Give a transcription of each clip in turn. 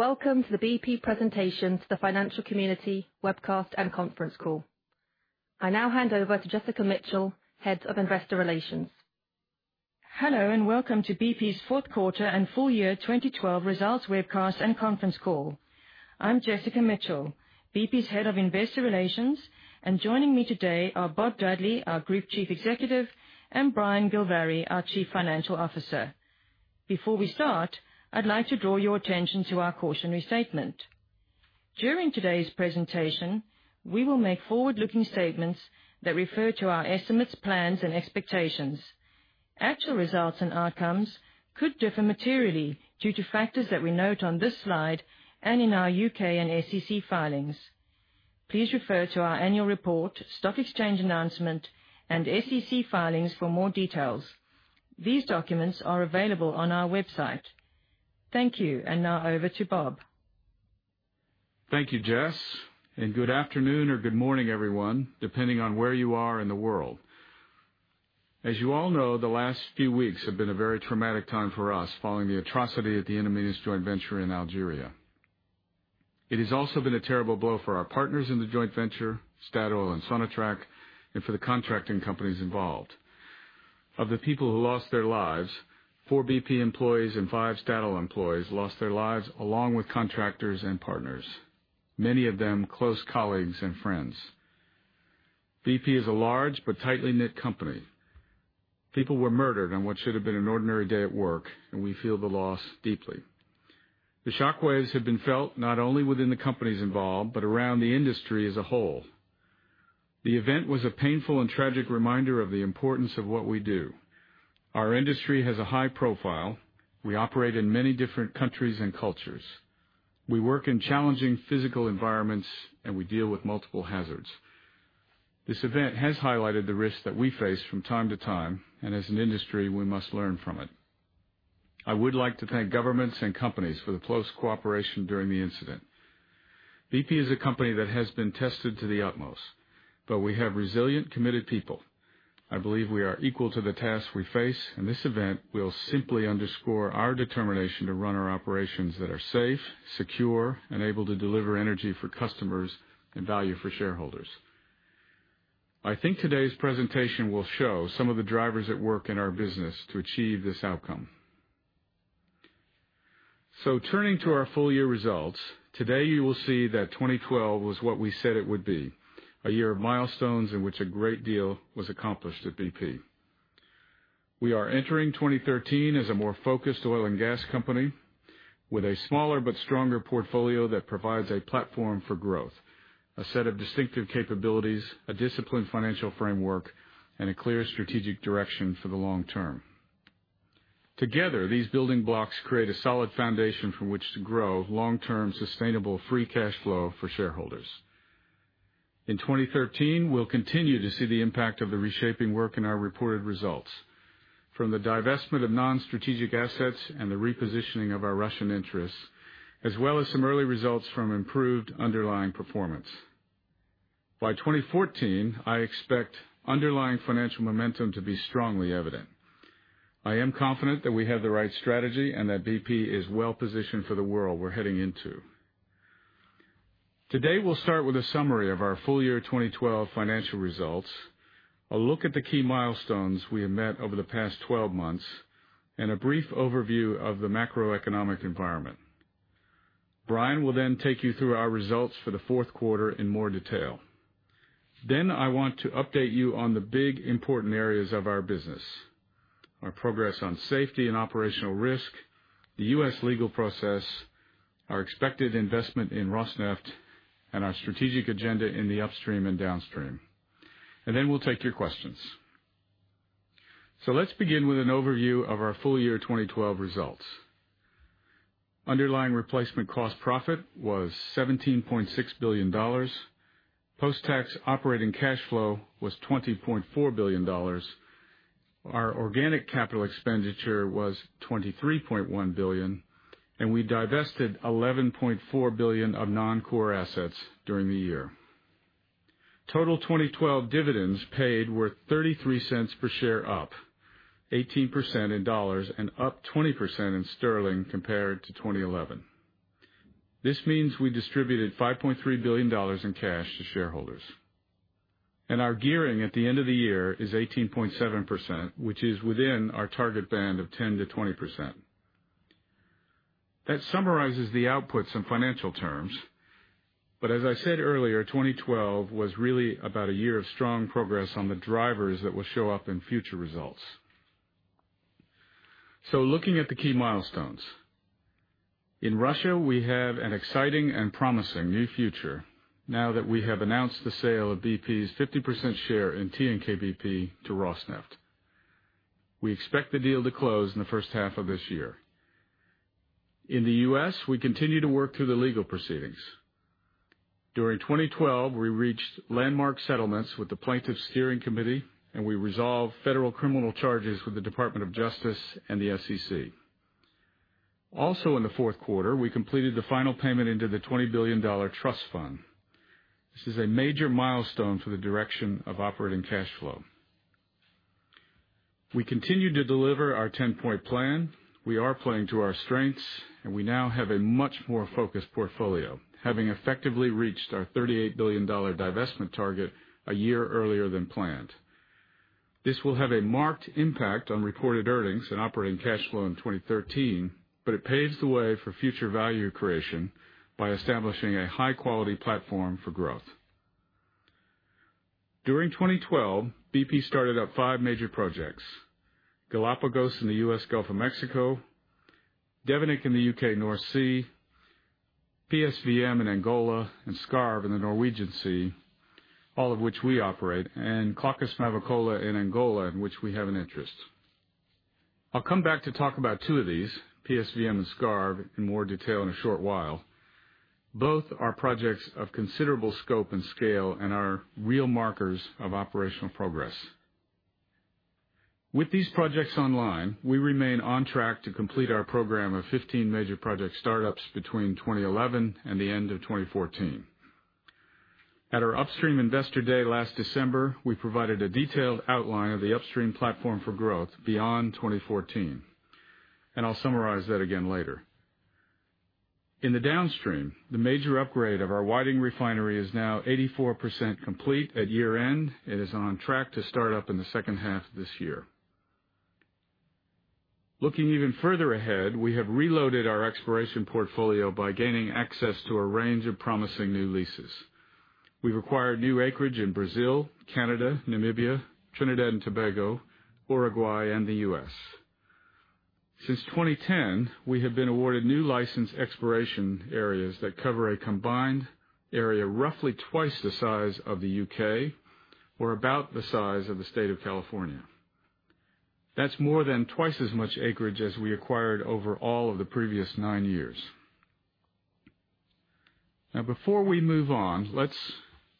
Welcome to the BP presentation to the financial community webcast and conference call. I now hand over to Jessica Mitchell, Head of Investor Relations. Hello, welcome to BP's fourth quarter and full year 2012 results webcast and conference call. I'm Jessica Mitchell, BP's Head of Investor Relations, joining me today are Bob Dudley, our Group Chief Executive, and Brian Gilvary, our Chief Financial Officer. Before we start, I'd like to draw your attention to our cautionary statement. During today's presentation, we will make forward-looking statements that refer to our estimates, plans, and expectations. Actual results and outcomes could differ materially due to factors that we note on this slide and in our U.K. and SEC filings. Please refer to our annual report, stock exchange announcement, and SEC filings for more details. These documents are available on our website. Thank you, now over to Bob. Thank you, Jess, good afternoon or good morning everyone, depending on where you are in the world. As you all know, the last few weeks have been a very traumatic time for us following the atrocity at the In Amenas joint venture in Algeria. It has also been a terrible blow for our partners in the joint venture, Statoil and Sonatrach, and for the contracting companies involved. Of the people who lost their lives, four BP employees and five Statoil employees lost their lives along with contractors and partners, many of them close colleagues and friends. BP is a large but tightly knit company. People were murdered on what should have been an ordinary day at work, we feel the loss deeply. The shock waves have been felt not only within the companies involved but around the industry as a whole. The event was a painful and tragic reminder of the importance of what we do. Our industry has a high profile. We operate in many different countries and cultures. We work in challenging physical environments, we deal with multiple hazards. This event has highlighted the risks that we face from time to time, as an industry, we must learn from it. I would like to thank governments and companies for the close cooperation during the incident. BP is a company that has been tested to the utmost, we have resilient, committed people. I believe we are equal to the tasks we face, this event will simply underscore our determination to run our operations that are safe, secure, and able to deliver energy for customers and value for shareholders. I think today's presentation will show some of the drivers at work in our business to achieve this outcome. Turning to our full year results, today you will see that 2012 was what we said it would be, a year of milestones in which a great deal was accomplished at BP. We are entering 2013 as a more focused oil and gas company with a smaller but stronger portfolio that provides a platform for growth, a set of distinctive capabilities, a disciplined financial framework, and a clear strategic direction for the long term. Together, these building blocks create a solid foundation from which to grow long-term sustainable free cash flow for shareholders. In 2013, we'll continue to see the impact of the reshaping work in our reported results. From the divestment of non-strategic assets and the repositioning of our Russian interests, as well as some early results from improved underlying performance. By 2014, I expect underlying financial momentum to be strongly evident. I am confident that we have the right strategy and that BP is well-positioned for the world we're heading into. Today, we'll start with a summary of our full year 2012 financial results, a look at the key milestones we have met over the past 12 months, and a brief overview of the macroeconomic environment. Brian will take you through our results for the fourth quarter in more detail. I want to update you on the big, important areas of our business, our progress on safety and operational risk, the U.S. legal process, our expected investment in Rosneft, and our strategic agenda in the upstream and downstream. We'll take your questions. Let's begin with an overview of our full year 2012 results. Underlying replacement cost profit was $17.6 billion. Post-tax operating cash flow was $20.4 billion. Our organic capital expenditure was $23.1 billion, and we divested $11.4 billion of non-core assets during the year. Total 2012 dividends paid were $0.33 per share up, 18% in dollars, and up 20% in sterling compared to 2011. This means we distributed $5.3 billion in cash to shareholders. Our gearing at the end of the year is 18.7%, which is within our target band of 10%-20%. That summarizes the outputs in financial terms. As I said earlier, 2012 was really about a year of strong progress on the drivers that will show up in future results. Looking at the key milestones. In Russia, we have an exciting and promising new future now that we have announced the sale of BP's 50% share in TNK-BP to Rosneft. We expect the deal to close in the first half of this year. In the U.S., we continue to work through the legal proceedings. During 2012, we reached landmark settlements with the Plaintiffs' Steering Committee, and we resolved federal criminal charges with the Department of Justice and the SEC. In the fourth quarter, we completed the final payment into the $20 billion trust fund. This is a major milestone for the direction of operating cash flow. We continue to deliver our 10-point plan. We are playing to our strengths, and we now have a much more focused portfolio, having effectively reached our $38 billion divestment target a year earlier than planned. This will have a marked impact on reported earnings and operating cash flow in 2013, but it paves the way for future value creation by establishing a high-quality platform for growth. During 2012, BP started up five major projects, Galapagos in the U.S. Gulf of Mexico, Devenick in the U.K. North Sea, PSVM in Angola, and Skarv in the Norwegian Sea, all of which we operate, and Clochas and Mavacola in Angola, in which we have an interest. I'll come back to talk about two of these, PSVM and Skarv, in more detail in a short while. Both are projects of considerable scope and scale and are real markers of operational progress. With these projects online, we remain on track to complete our program of 15 major project startups between 2011 and the end of 2014. At our Upstream Investor Day last December, we provided a detailed outline of the upstream platform for growth beyond 2014, and I'll summarize that again later. In the downstream, the major upgrade of our Whiting Refinery is now 84% complete at year-end. It is on track to start up in the second half of this year. Looking even further ahead, we have reloaded our exploration portfolio by gaining access to a range of promising new leases. We've acquired new acreage in Brazil, Canada, Namibia, Trinidad & Tobago, Uruguay, and the U.S. Since 2010, we have been awarded new license exploration areas that cover a combined area roughly twice the size of the U.K. or about the size of the state of California. That's more than twice as much acreage as we acquired over all of the previous nine years. Before we move on, let's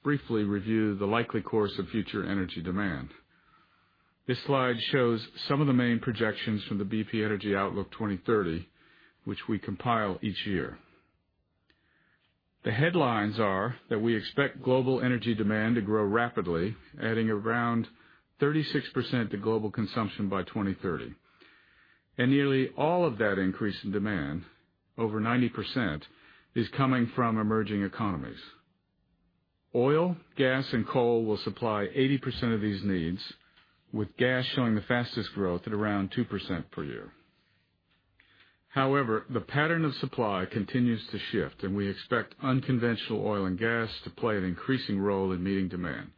briefly review the likely course of future energy demand. This slide shows some of the main projections from the BP Energy Outlook 2030, which we compile each year. The headlines are that we expect global energy demand to grow rapidly, adding around 36% to global consumption by 2030. Nearly all of that increase in demand, over 90%, is coming from emerging economies. Oil, gas, and coal will supply 80% of these needs, with gas showing the fastest growth at around 2% per year. However, the pattern of supply continues to shift, and we expect unconventional oil and gas to play an increasing role in meeting demand.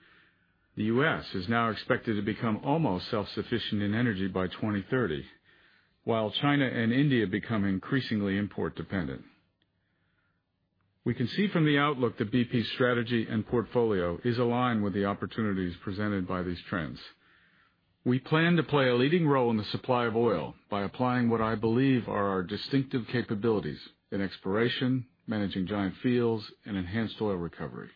The U.S. is now expected to become almost self-sufficient in energy by 2030, while China and India become increasingly import-dependent. We can see from the outlook that BP's strategy and portfolio is aligned with the opportunities presented by these trends. We plan to play a leading role in the supply of oil by applying what I believe are our distinctive capabilities in exploration, managing giant fields, and enhanced oil recovery.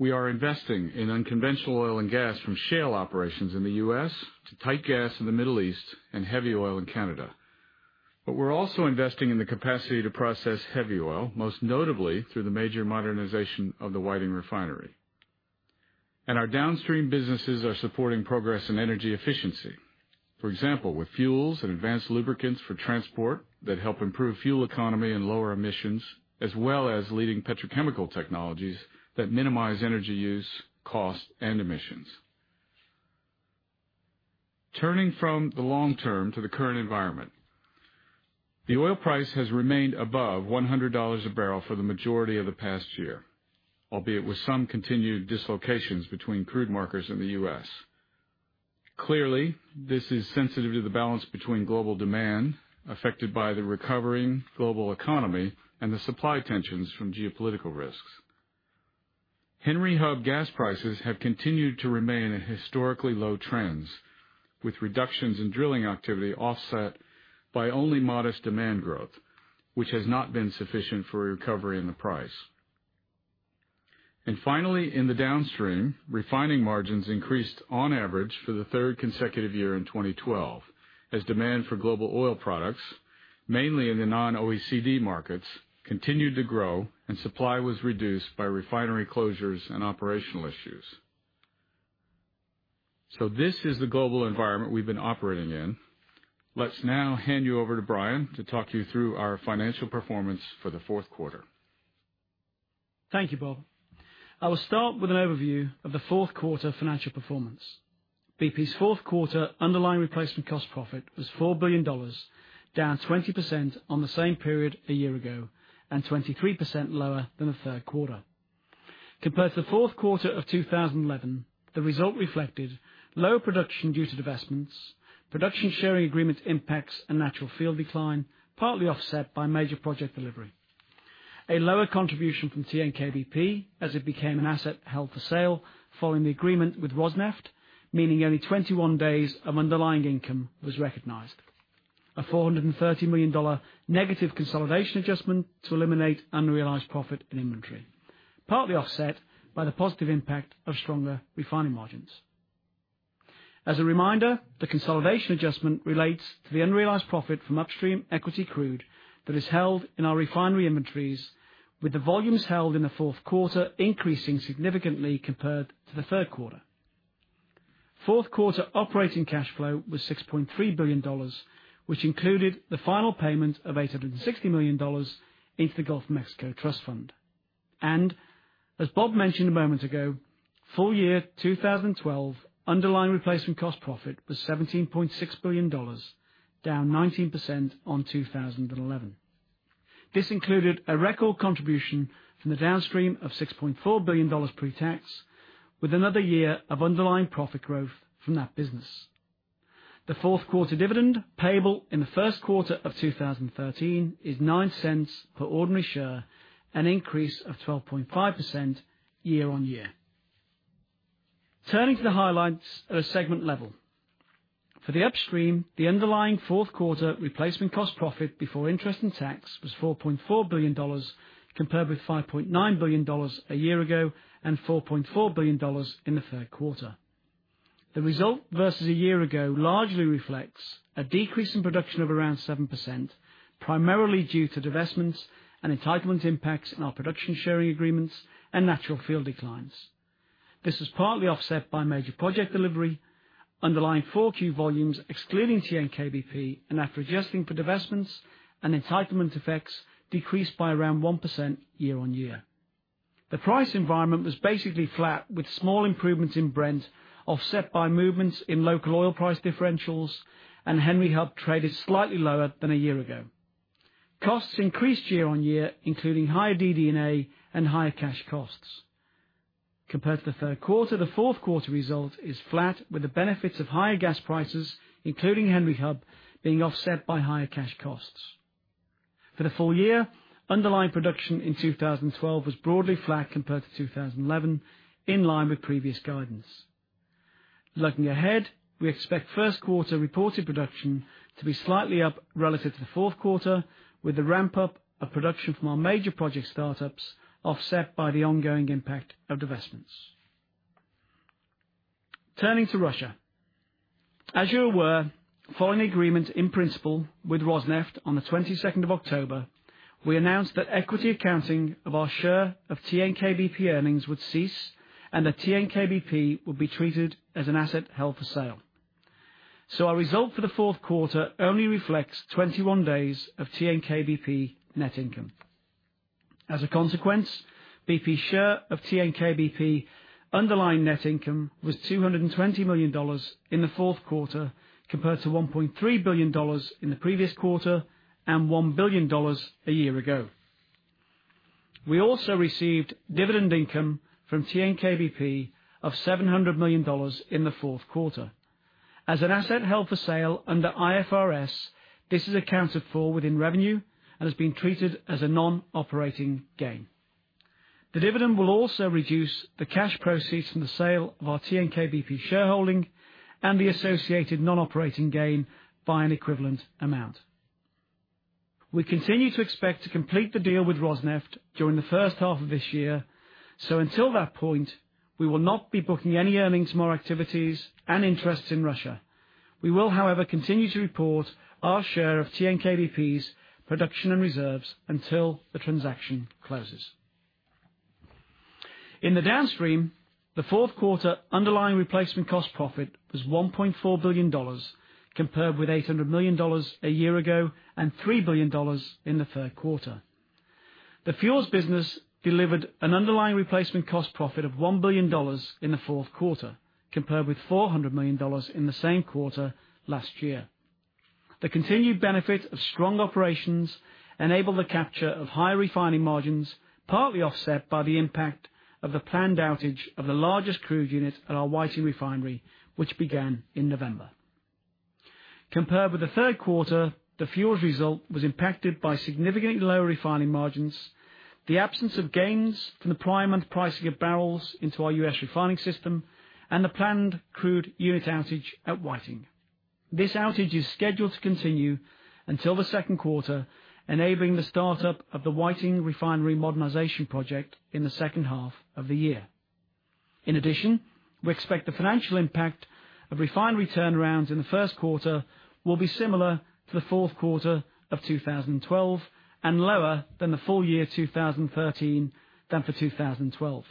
We are investing in unconventional oil and gas from shale operations in the U.S. to tight gas in the Middle East and heavy oil in Canada. We're also investing in the capacity to process heavy oil, most notably through the major modernization of the Whiting Refinery. Our downstream businesses are supporting progress in energy efficiency. For example, with fuels and advanced lubricants for transport that help improve fuel economy and lower emissions, as well as leading petrochemical technologies that minimize energy use, cost, and emissions. Turning from the long term to the current environment, the oil price has remained above $100 a barrel for the majority of the past year, albeit with some continued dislocations between crude markers in the U.S. Clearly, this is sensitive to the balance between global demand affected by the recovering global economy and the supply tensions from geopolitical risks. Henry Hub gas prices have continued to remain at historically low trends, with reductions in drilling activity offset by only modest demand growth, which has not been sufficient for a recovery in the price. in the downstream, refining margins increased on average for the third consecutive year in 2012 as demand for global oil products, mainly in the non-OECD markets, continued to grow and supply was reduced by refinery closures and operational issues. This is the global environment we've been operating in. Let's now hand you over to Brian to talk you through our financial performance for the fourth quarter. Thank you, Bob. I will start with an overview of the fourth quarter financial performance. BP's fourth quarter underlying replacement cost profit was $4 billion, down 20% on the same period a year ago and 23% lower than the third quarter. Compared to the fourth quarter of 2011, the result reflected lower production due to divestments, production sharing agreement impacts, and natural field decline, partly offset by major project delivery. A lower contribution from TNK-BP as it became an asset held for sale following the agreement with Rosneft, meaning only 21 days of underlying income was recognized. A $430 million negative consolidation adjustment to eliminate unrealized profit in inventory, partly offset by the positive impact of stronger refining margins. As a reminder, the consolidation adjustment relates to the unrealized profit from upstream equity crude that is held in our refinery inventories, with the volumes held in the fourth quarter increasing significantly compared to the third quarter. Fourth quarter operating cash flow was $6.3 billion, which included the final payment of $860 million into the Gulf of Mexico Trust Fund. Bob mentioned a moment ago, full year 2012 underlying replacement cost profit was $17.6 billion, down 19% on 2011. This included a record contribution from the Downstream of $6.4 billion pre-tax, with another year of underlying profit growth from that business. The fourth quarter dividend payable in the first quarter of 2013 is $0.09 per ordinary share, an increase of 12.5% year-on-year. Turning to the highlights at a segment level. For the Upstream, the underlying fourth quarter replacement cost profit before interest and tax was $4.4 billion, compared with $5.9 billion a year ago and $4.4 billion in the third quarter. The result versus a year ago largely reflects a decrease in production of around 7%, primarily due to divestments and entitlement impacts in our production sharing agreements and natural field declines. This was partly offset by major project delivery, underlying 4Q volumes, excluding TNK-BP, and after adjusting for divestments and entitlement effects decreased by around 1% year-on-year. The price environment was basically flat with small improvements in Brent, offset by movements in local oil price differentials, and Henry Hub traded slightly lower than a year ago. Costs increased year-on-year, including higher DD&A and higher cash costs. Compared to the third quarter, the fourth quarter result is flat, with the benefits of higher gas prices, including Henry Hub, being offset by higher cash costs. For the full year, underlying production in 2012 was broadly flat compared to 2011, in line with previous guidance. Looking ahead, we expect first quarter reported production to be slightly up relative to the fourth quarter, with the ramp-up of production from our major project startups offset by the ongoing impact of divestments. Turning to Russia. As you are aware, following agreement in principle with Rosneft on the 22nd of October, we announced that equity accounting of our share of TNK-BP earnings would cease, and that TNK-BP would be treated as an asset held for sale. Our result for the fourth quarter only reflects 21 days of TNK-BP net income. As a consequence, BP's share of TNK-BP underlying net income was $220 million in the fourth quarter, compared to $1.3 billion in the previous quarter and $1 billion a year ago. We also received dividend income from TNK-BP of $700 million in the fourth quarter. As an asset held for sale under IFRS, this is accounted for within revenue and has been treated as a non-operating gain. The dividend will also reduce the cash proceeds from the sale of our TNK-BP shareholding and the associated non-operating gain by an equivalent amount. We continue to expect to complete the deal with Rosneft during the first half of this year, until that point, we will not be booking any earnings from our activities and interests in Russia. We will, however, continue to report our share of TNK-BP's production and reserves until the transaction closes. In the Downstream, the fourth quarter underlying replacement cost profit was $1.4 billion, compared with $800 million a year ago and $3 billion in the third quarter. The fuels business delivered an underlying replacement cost profit of $1 billion in the fourth quarter, compared with $400 million in the same quarter last year. The continued benefit of strong operations enabled the capture of higher refining margins, partly offset by the impact of the planned outage of the largest crude unit at our Whiting Refinery, which began in November. Compared with the third quarter, the fuels result was impacted by significantly lower refining margins, the absence of gains from the prior month pricing of barrels into our U.S. refining system, and the planned crude unit outage at Whiting. This outage is scheduled to continue until the second quarter, enabling the start-up of the Whiting Refinery modernization project in the second half of the year. We expect the financial impact of refinery turnarounds in the first quarter will be similar to the fourth quarter of 2012 and lower than the full year 2013 than for 2012.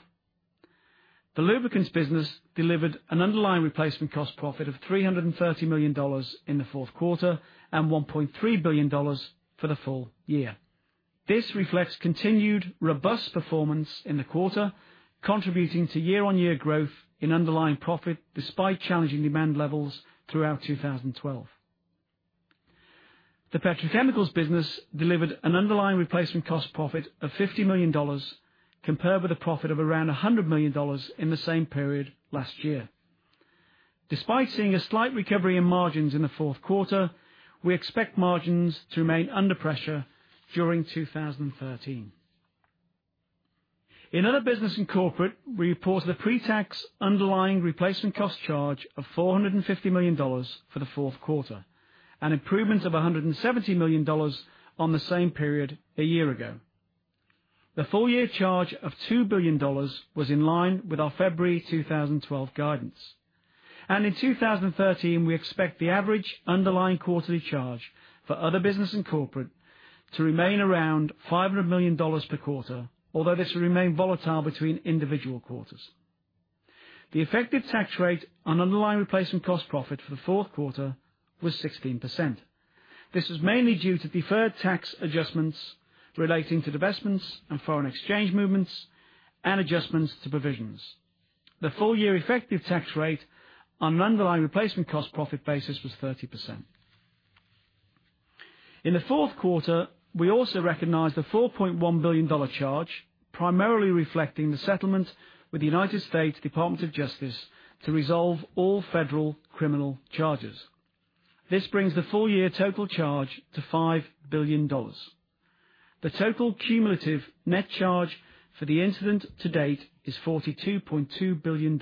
The lubricants business delivered an underlying replacement cost profit of $330 million in the fourth quarter, and $1.3 billion for the full year. This reflects continued robust performance in the quarter, contributing to year-on-year growth in underlying profit despite challenging demand levels throughout 2012. The petrochemicals business delivered an underlying replacement cost profit of $50 million, compared with a profit of around $100 million in the same period last year. Despite seeing a slight recovery in margins in the fourth quarter, we expect margins to remain under pressure during 2013. In other business and corporate, we report a pre-tax underlying replacement cost charge of $450 million for the fourth quarter, an improvement of $170 million on the same period a year ago. The full-year charge of $2 billion was in line with our February 2012 guidance. In 2013, we expect the average underlying quarterly charge for other business and corporate to remain around $500 million per quarter, although this will remain volatile between individual quarters. The effective tax rate on underlying replacement cost profit for the fourth quarter was 16%. This was mainly due to deferred tax adjustments relating to divestments and foreign exchange movements and adjustments to provisions. The full-year effective tax rate on an underlying replacement cost profit basis was 30%. In the fourth quarter, we also recognized a $4.1 billion charge, primarily reflecting the settlement with the United States Department of Justice to resolve all federal criminal charges. This brings the full-year total charge to $5 billion. The total cumulative net charge for the incident to date is $42.2 billion.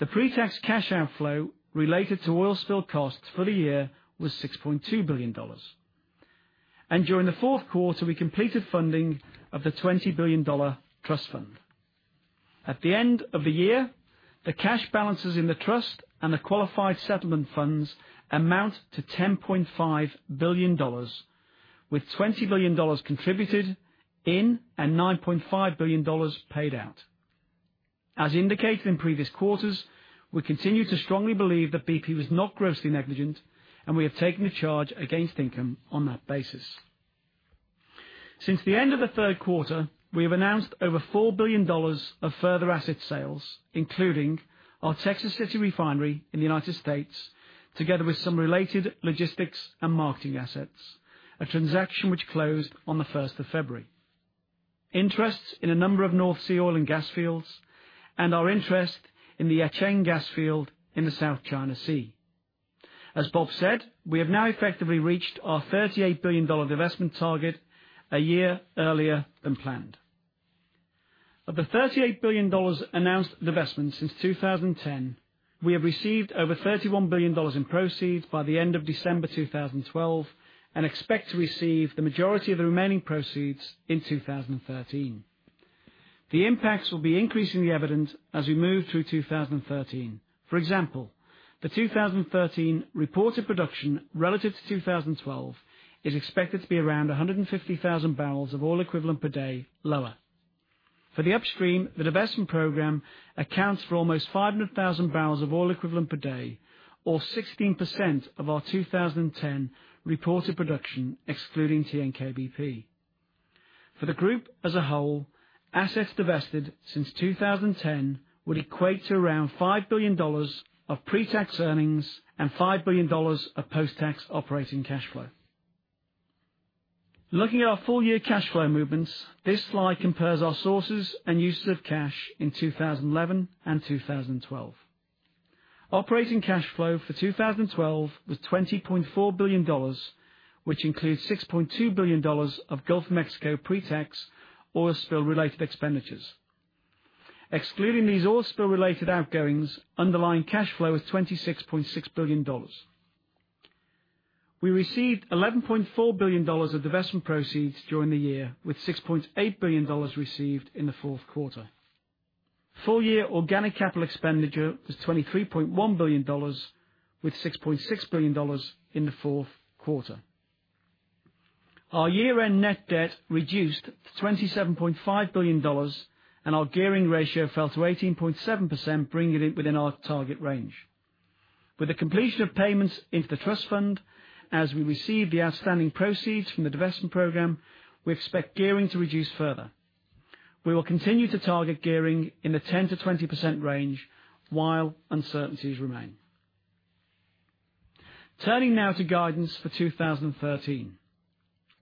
The pre-tax cash outflow related to oil spill costs for the year was $6.2 billion. During the fourth quarter, we completed funding of the $20 billion trust fund. At the end of the year, the cash balances in the trust and the qualified settlement funds amount to $10.5 billion, with $20 billion contributed in and $9.5 billion paid out. As indicated in previous quarters, we continue to strongly believe that BP was not grossly negligent, and we have taken a charge against income on that basis. Since the end of the third quarter, we have announced over $4 billion of further asset sales, including our Texas City Refinery in the United States, together with some related logistics and marketing assets, a transaction which closed on the 1st of February. Interests in a number of North Sea oil and gas fields and our interest in the Yacheng gas field in the South China Sea. As Bob said, we have now effectively reached our $38 billion divestment target a year earlier than planned. Of the $38 billion announced divestments since 2010, we have received over $31 billion in proceeds by the end of December 2012 and expect to receive the majority of the remaining proceeds in 2013. The impacts will be increasingly evident as we move through 2013. The 2013 reported production relative to 2012 is expected to be around 150,000 barrels of oil equivalent per day lower. For the upstream, the divestment program accounts for almost 500,000 barrels of oil equivalent per day or 16% of our 2010 reported production, excluding TNK-BP. For the group as a whole, assets divested since 2010 would equate to around $5 billion of pre-tax earnings and $5 billion of post-tax operating cash flow. Looking at our full-year cash flow movements, this slide compares our sources and uses of cash in 2011 and 2012. Operating cash flow for 2012 was $20.4 billion, which includes $6.2 billion of Gulf of Mexico pre-tax oil spill-related expenditures. Excluding these oil spill related outgoings, underlying cash flow is $26.6 billion. We received $11.4 billion of divestment proceeds during the year, with $6.8 billion received in the fourth quarter. Full-year organic capital expenditure was $23.1 billion, with $6.6 billion in the fourth quarter. Our year-end net debt reduced to $27.5 billion, and our gearing ratio fell to 18.7%, bringing it within our target range. With the completion of payments into the trust fund, as we receive the outstanding proceeds from the divestment program, we expect gearing to reduce further. We will continue to target gearing in the 10%-20% range while uncertainties remain.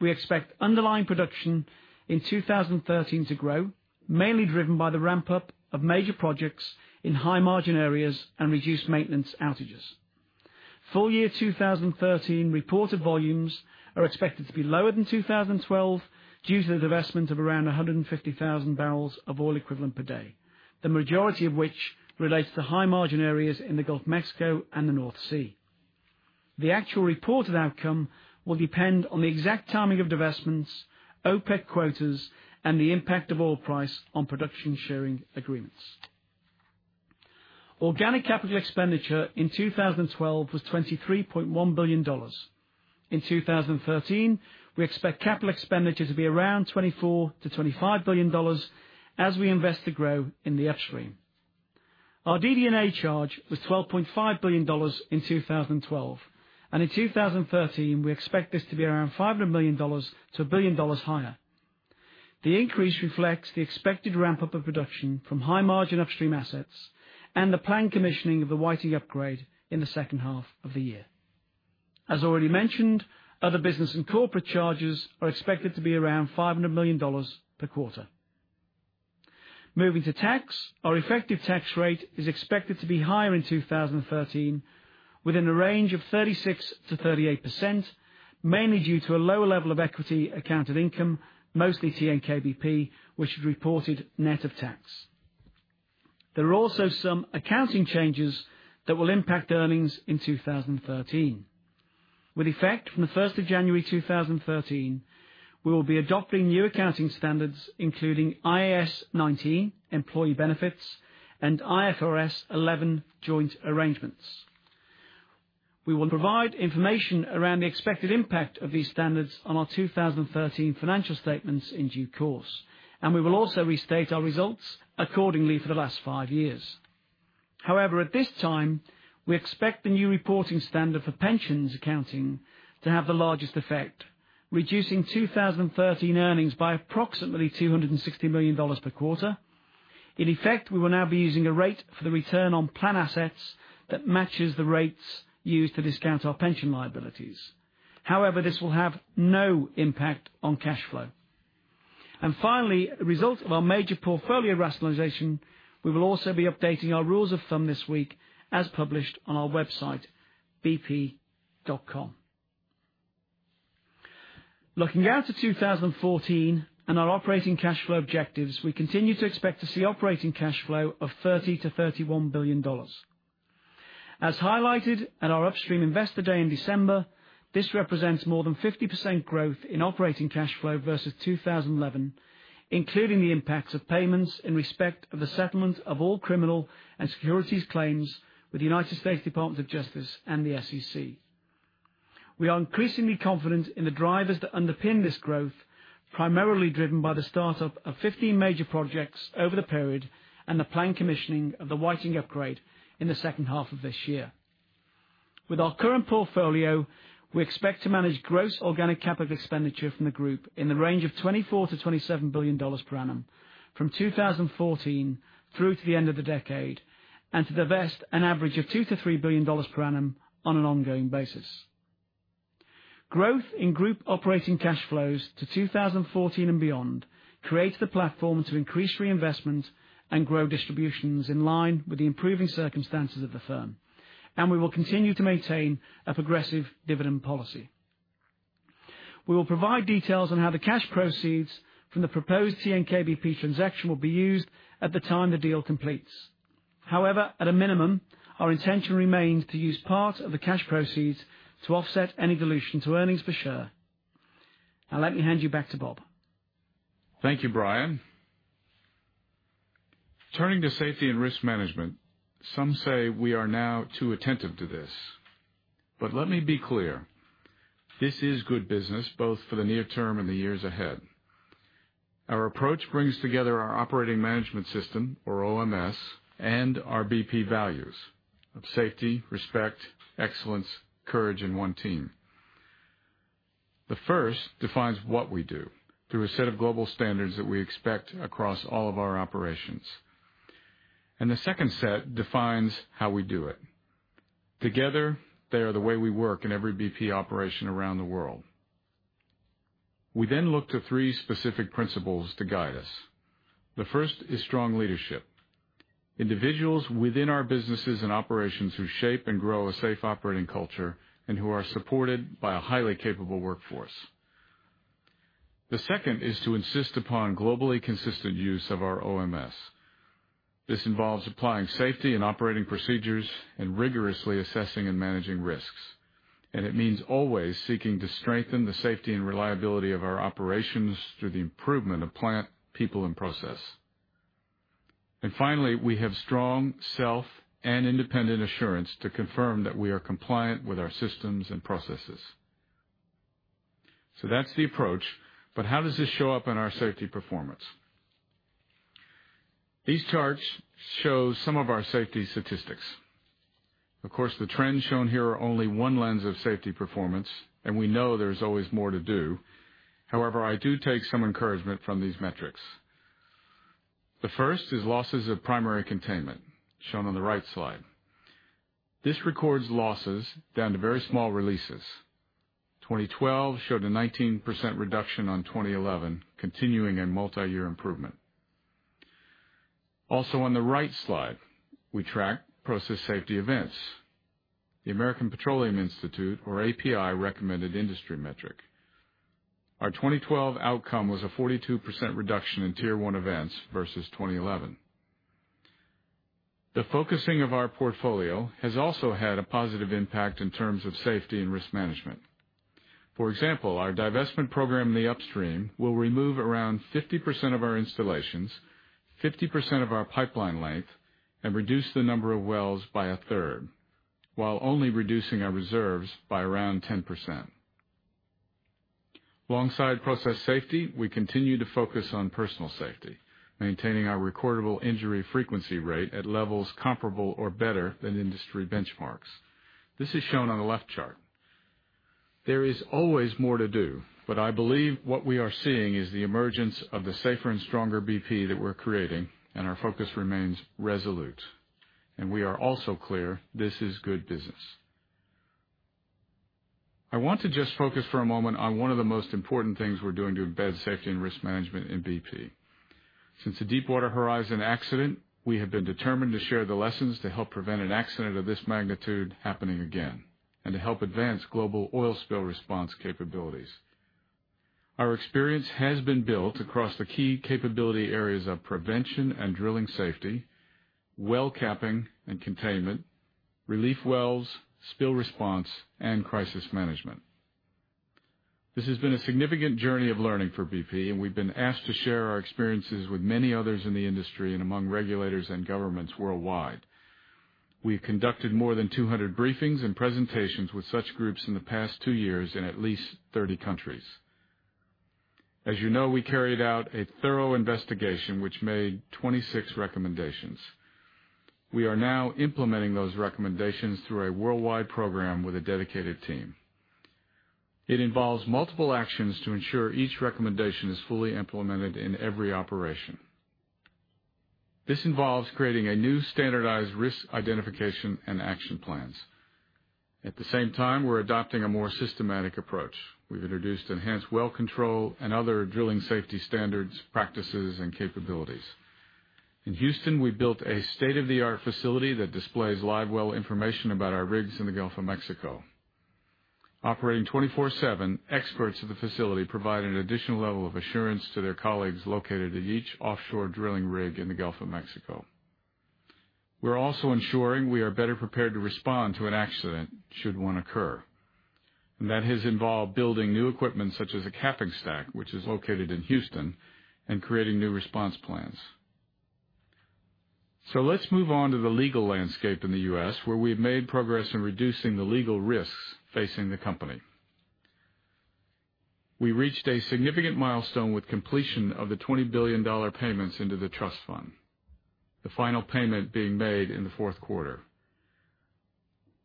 We expect underlying production in 2013 to grow, mainly driven by the ramp-up of major projects in high-margin areas and reduced maintenance outages. Full-year 2013 reported volumes are expected to be lower than 2012 due to the divestment of around 150,000 barrels of oil equivalent per day, the majority of which relates to high-margin areas in the Gulf of Mexico and the North Sea. The actual reported outcome will depend on the exact timing of divestments, OPEC quotas, and the impact of oil price on production sharing agreements. Organic capital expenditure in 2012 was $23.1 billion. In 2013, we expect capital expenditure to be around $24 billion-$25 billion as we invest to grow in the upstream. Our DD&A charge was $12.5 billion in 2012, and in 2013, we expect this to be around $500 million-$1 billion higher. The increase reflects the expected ramp-up of production from high-margin upstream assets and the planned commissioning of the Whiting upgrade in the second half of the year. As already mentioned, other business and corporate charges are expected to be around $500 million per quarter. Our effective tax rate is expected to be higher in 2013 within the range of 36%-38%, mainly due to a lower level of equity accounted income, mostly TNK-BP, which is reported net of tax. There are also some accounting changes that will impact earnings in 2013. With effect from the 1st of January 2013, we will be adopting new accounting standards, including IAS 19 employee benefits and IFRS 11 joint arrangements. We will provide information around the expected impact of these standards on our 2013 financial statements in due course, and we will also restate our results accordingly for the last five years. However, at this time, we expect the new reporting standard for pensions accounting to have the largest effect, reducing 2013 earnings by approximately $260 million per quarter. In effect, we will now be using a rate for the return on plan assets that matches the rates used to discount our pension liabilities. However, this will have no impact on cash flow. Finally, a result of our major portfolio rationalization, we will also be updating our rules of thumb this week as published on our website, bp.com. Looking out to 2014 and our operating cash flow objectives, we continue to expect to see operating cash flow of $30 billion-$31 billion. As highlighted at our Upstream Investor Day in December, this represents more than 50% growth in operating cash flow versus 2011, including the impacts of payments in respect of the settlement of all criminal and securities claims with the United States Department of Justice and the SEC. We are increasingly confident in the drivers that underpin this growth, primarily driven by the start-up of 15 major projects over the period and the planned commissioning of the Whiting upgrade in the second half of this year. With our current portfolio, we expect to manage gross organic capital expenditure from the group in the range of $24 billion-$27 billion per annum from 2014 through to the end of the decade, and to divest an average of $2 billion-$3 billion per annum on an ongoing basis. Growth in group operating cash flows to 2014 and beyond creates the platform to increase reinvestment and grow distributions in line with the improving circumstances of the firm. We will continue to maintain a progressive dividend policy. We will provide details on how the cash proceeds from the proposed TNK-BP transaction will be used at the time the deal completes. However, at a minimum, our intention remains to use part of the cash proceeds to offset any dilution to earnings per share. Now, let me hand you back to Bob. Thank you, Brian. Turning to safety and risk management, some say we are now too attentive to this, but let me be clear. This is good business, both for the near term and the years ahead. Our approach brings together our operating management system, or OMS, and our BP values of safety, respect, excellence, courage, and one team. The first defines what we do through a set of global standards that we expect across all of our operations. The second set defines how we do it. Together, they are the way we work in every BP operation around the world. We then look to three specific principles to guide us. The first is strong leadership. Individuals within our businesses and operations who shape and grow a safe operating culture, and who are supported by a highly capable workforce. The second is to insist upon globally consistent use of our OMS. This involves applying safety and operating procedures and rigorously assessing and managing risks. It means always seeking to strengthen the safety and reliability of our operations through the improvement of plant, people, and process. Finally, we have strong self and independent assurance to confirm that we are compliant with our systems and processes. That's the approach, but how does this show up in our safety performance? These charts show some of our safety statistics. Of course, the trends shown here are only one lens of safety performance, and we know there's always more to do. However, I do take some encouragement from these metrics. The first is losses of primary containment, shown on the right slide. This records losses down to very small releases. 2012 showed a 19% reduction on 2011, continuing a multi-year improvement. Also on the right slide, we track process safety events. The American Petroleum Institute, or API, recommended industry metric. Our 2012 outcome was a 42% reduction in Tier 1 events versus 2011. The focusing of our portfolio has also had a positive impact in terms of safety and risk management. For example, our divestment program in the upstream will remove around 50% of our installations, 50% of our pipeline length, and reduce the number of wells by a third, while only reducing our reserves by around 10%. Alongside process safety, we continue to focus on personal safety, maintaining our recordable injury frequency rate at levels comparable or better than industry benchmarks. This is shown on the left chart. There is always more to do, but I believe what we are seeing is the emergence of the safer and stronger BP that we're creating, our focus remains resolute. We are also clear this is good business. I want to just focus for a moment on one of the most important things we're doing to embed safety and risk management in BP. Since the Deepwater Horizon accident, we have been determined to share the lessons to help prevent an accident of this magnitude happening again, and to help advance global oil spill response capabilities. Our experience has been built across the key capability areas of prevention and drilling safety, well capping and containment, relief wells, spill response, and crisis management. This has been a significant journey of learning for BP, and we've been asked to share our experiences with many others in the industry and among regulators and governments worldwide. We've conducted more than 200 briefings and presentations with such groups in the past two years in at least 30 countries. As you know, we carried out a thorough investigation, which made 26 recommendations. We are now implementing those recommendations through a worldwide program with a dedicated team. It involves multiple actions to ensure each recommendation is fully implemented in every operation. This involves creating new standardized risk identification and action plans. At the same time, we're adopting a more systematic approach. We've introduced enhanced well control and other drilling safety standards, practices, and capabilities. In Houston, we built a state-of-the-art facility that displays live well information about our rigs in the Gulf of Mexico. Operating 24/7, experts at the facility provide an additional level of assurance to their colleagues located at each offshore drilling rig in the Gulf of Mexico. We're also ensuring we are better prepared to respond to an accident should one occur. That has involved building new equipment such as a capping stack, which is located in Houston, and creating new response plans. Let's move on to the legal landscape in the U.S., where we have made progress in reducing the legal risks facing the company. We reached a significant milestone with completion of the $20 billion payments into the trust fund, the final payment being made in the fourth quarter.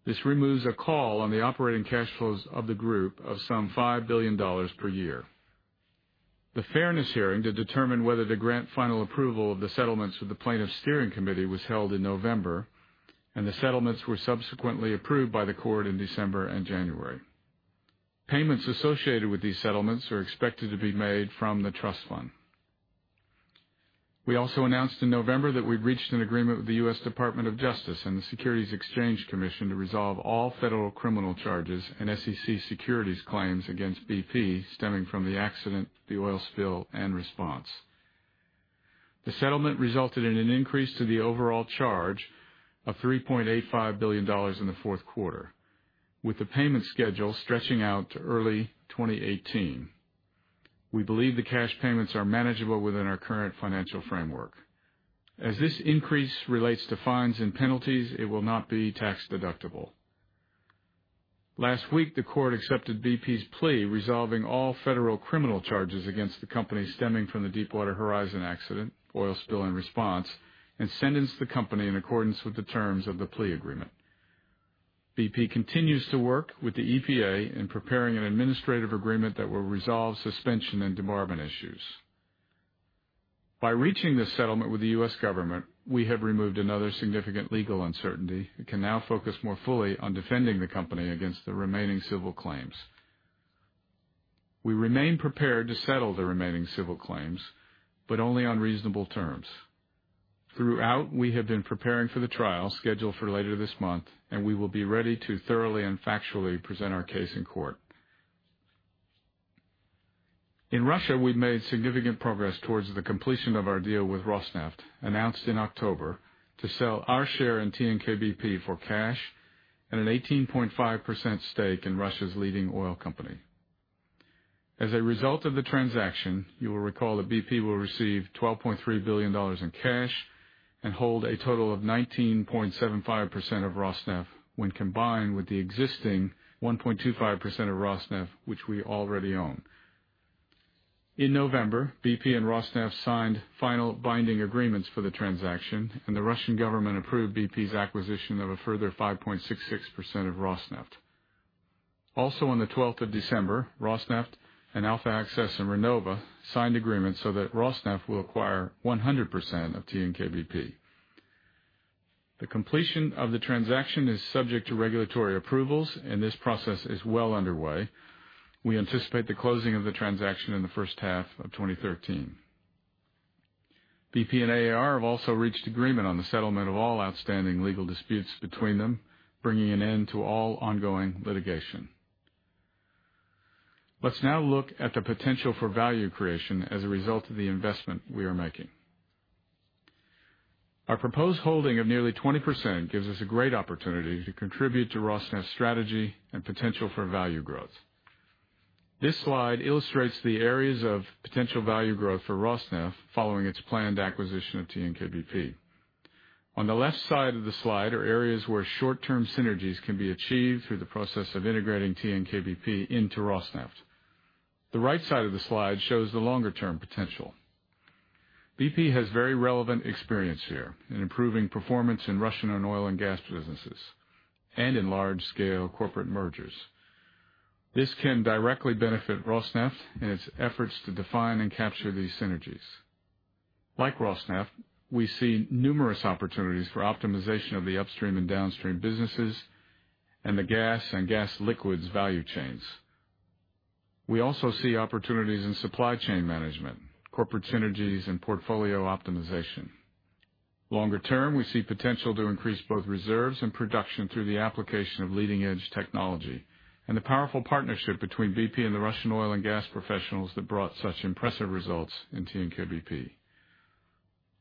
This removes a call on the operating cash flows of the group of some $5 billion per year. The fairness hearing to determine whether to grant final approval of the settlements with the Plaintiffs' Steering Committee was held in November, and the settlements were subsequently approved by the court in December and January. Payments associated with these settlements are expected to be made from the trust fund. We also announced in November that we'd reached an agreement with the U.S. Department of Justice and the Securities and Exchange Commission to resolve all federal criminal charges and SEC securities claims against BP stemming from the accident, the oil spill, and response. The settlement resulted in an increase to the overall charge of $3.85 billion in the fourth quarter, with the payment schedule stretching out to early 2018. We believe the cash payments are manageable within our current financial framework. As this increase relates to fines and penalties, it will not be tax-deductible. Last week, the court accepted BP's plea, resolving all federal criminal charges against the company stemming from the Deepwater Horizon accident, oil spill, and response, and sentenced the company in accordance with the terms of the plea agreement. BP continues to work with the EPA in preparing an administrative agreement that will resolve suspension and debarment issues. By reaching this settlement with the U.S. government, we have removed another significant legal uncertainty and can now focus more fully on defending the company against the remaining civil claims. We remain prepared to settle the remaining civil claims, but only on reasonable terms. Throughout, we have been preparing for the trial scheduled for later this month, and we will be ready to thoroughly and factually present our case in court. In Russia, we've made significant progress towards the completion of our deal with Rosneft, announced in October to sell our share in TNK-BP for cash and an 18.5% stake in Russia's leading oil company. As a result of the transaction, you will recall that BP will receive $12.3 billion in cash and hold a total of 19.75% of Rosneft when combined with the existing 1.25% of Rosneft, which we already own. In November, BP and Rosneft signed final binding agreements for the transaction, and the Russian government approved BP's acquisition of a further 5.66% of Rosneft. On the 12th of December, Rosneft and Alfa-Access and Renova signed agreements so that Rosneft will acquire 100% of TNK-BP. The completion of the transaction is subject to regulatory approvals, and this process is well underway. We anticipate the closing of the transaction in the first half of 2013. BP and AAR have also reached agreement on the settlement of all outstanding legal disputes between them, bringing an end to all ongoing litigation. Let's now look at the potential for value creation as a result of the investment we are making. Our proposed holding of nearly 20% gives us a great opportunity to contribute to Rosneft's strategy and potential for value growth. This slide illustrates the areas of potential value growth for Rosneft following its planned acquisition of TNK-BP. On the left side of the slide are areas where short-term synergies can be achieved through the process of integrating TNK-BP into Rosneft. The right side of the slide shows the longer-term potential. BP has very relevant experience here in improving performance in Russian oil and gas businesses and in large-scale corporate mergers. This can directly benefit Rosneft in its efforts to define and capture these synergies. Like Rosneft, we see numerous opportunities for optimization of the upstream and downstream businesses and the gas and gas liquids value chains. We also see opportunities in supply chain management, corporate synergies, and portfolio optimization. Longer term, we see potential to increase both reserves and production through the application of leading-edge technology and the powerful partnership between BP and the Russian oil and gas professionals that brought such impressive results in TNK-BP.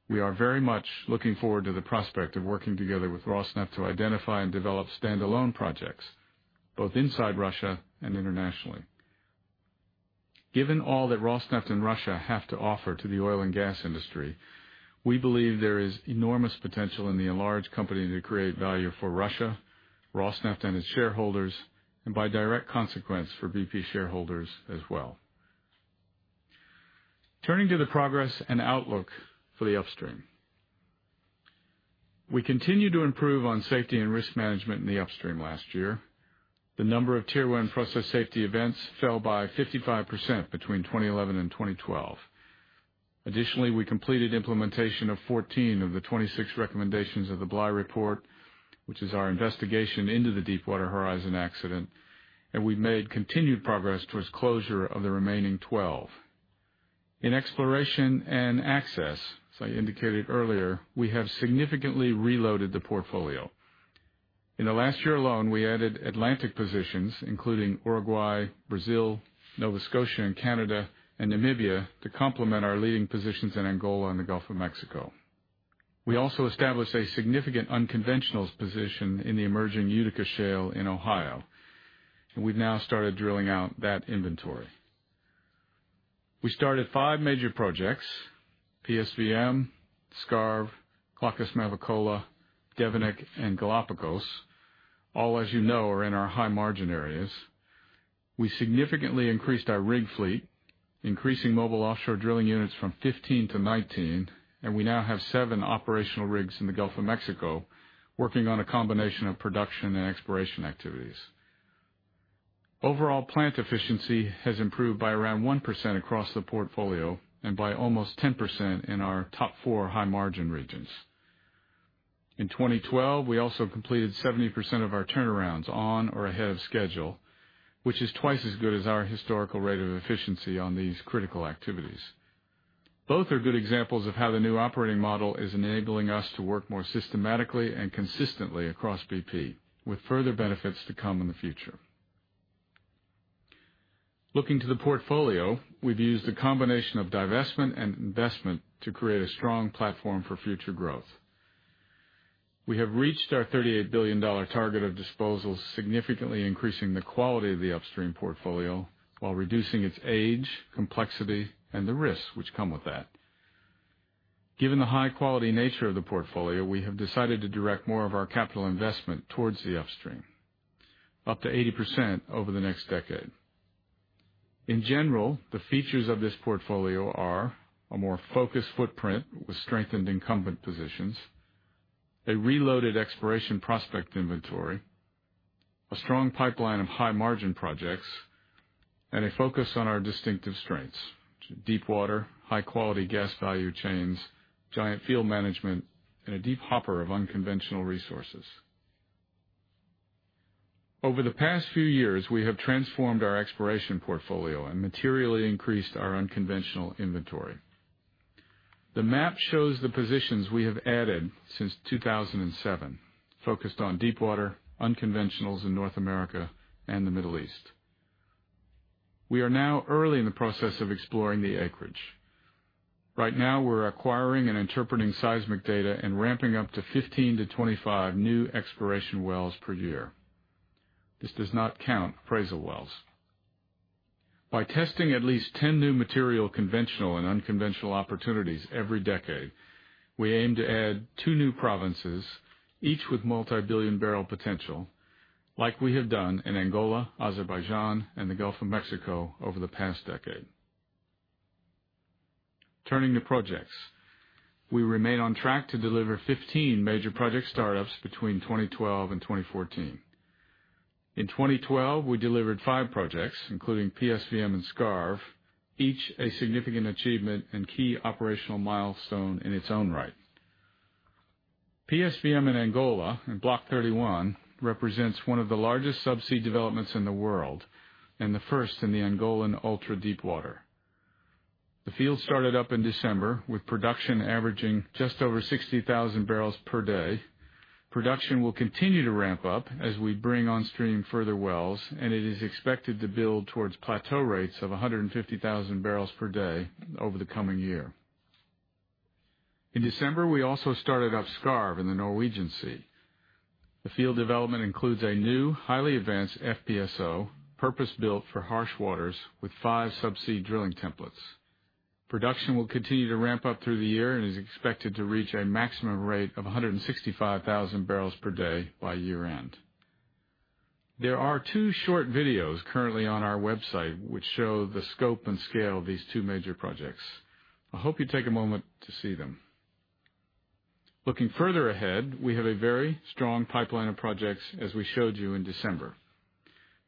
We are very much looking forward to the prospect of working together with Rosneft to identify and develop standalone projects, both inside Russia and internationally. Given all that Rosneft and Russia have to offer to the oil and gas industry, we believe there is enormous potential in the enlarged company to create value for Russia, Rosneft, and its shareholders, and by direct consequence, for BP shareholders as well. Turning to the progress and outlook for the upstream. We continued to improve on safety and risk management in the upstream last year. The number of Tier 1 process safety events fell by 55% between 2011 and 2012. Additionally, we completed implementation of 14 of the 26 recommendations of the Bly report, which is our investigation into the Deepwater Horizon accident, and we've made continued progress towards closure of the remaining 12. In exploration and access, as I indicated earlier, we have significantly reloaded the portfolio. In the last year alone, we added Atlantic positions, including Uruguay, Brazil, Nova Scotia in Canada, and Namibia to complement our leading positions in Angola and the Gulf of Mexico. We also established a significant unconventionals position in the emerging Utica Shale in Ohio, and we've now started drilling out that inventory. We started five major projects, PSVM, Skarv, Clochas and Mavacola, Devenick, and Galapagos. All, as you know, are in our high margin areas. We significantly increased our rig fleet, increasing mobile offshore drilling units from 15 to 19, and we now have seven operational rigs in the Gulf of Mexico working on a combination of production and exploration activities. Overall plant efficiency has improved by around 1% across the portfolio and by almost 10% in our top four high-margin regions. In 2012, we also completed 70% of our turnarounds on or ahead of schedule, which is twice as good as our historical rate of efficiency on these critical activities. Both are good examples of how the new operating model is enabling us to work more systematically and consistently across BP, with further benefits to come in the future. Looking to the portfolio, we've used a combination of divestment and investment to create a strong platform for future growth. We have reached our $38 billion target of disposals, significantly increasing the quality of the upstream portfolio while reducing its age, complexity, and the risks which come with that. Given the high-quality nature of the portfolio, we have decided to direct more of our capital investment towards the upstream. Up to 80% over the next decade. In general, the features of this portfolio are a more focused footprint with strengthened incumbent positions, a reloaded exploration prospect inventory, a strong pipeline of high-margin projects, and a focus on our distinctive strengths to deep water, high-quality gas value chains, giant field management, and a deep hopper of unconventional resources. Over the past few years, we have transformed our exploration portfolio and materially increased our unconventional inventory. The map shows the positions we have added since 2007, focused on deep water, unconventionals in North America and the Middle East. We are now early in the process of exploring the acreage. Right now, we're acquiring and interpreting seismic data and ramping up to 15-25 new exploration wells per year. This does not count appraisal wells. By testing at least 10 new material conventional and unconventional opportunities every decade, we aim to add two new provinces, each with multi-billion barrel potential, like we have done in Angola, Azerbaijan, and the Gulf of Mexico over the past decade. Turning to projects. We remain on track to deliver 15 major project startups between 2012 and 2014. In 2012, we delivered five projects, including PSVM and Skarv, each a significant achievement and key operational milestone in its own right. PSVM in Angola, in Block 31, represents one of the largest sub-sea developments in the world and the first in the Angolan ultra-deep water. The field started up in December, with production averaging just over 60,000 barrels per day. Production will continue to ramp up as we bring on stream further wells, and it is expected to build towards plateau rates of 150,000 barrels per day over the coming year. In December, we also started up Skarv in the Norwegian Sea. The field development includes a new, highly advanced FPSO purpose-built for harsh waters with five sub-sea drilling templates. Production will continue to ramp up through the year and is expected to reach a maximum rate of 165,000 barrels per day by year-end. There are two short videos currently on our website which show the scope and scale of these two major projects. I hope you take a moment to see them. Looking further ahead, we have a very strong pipeline of projects, as we showed you in December.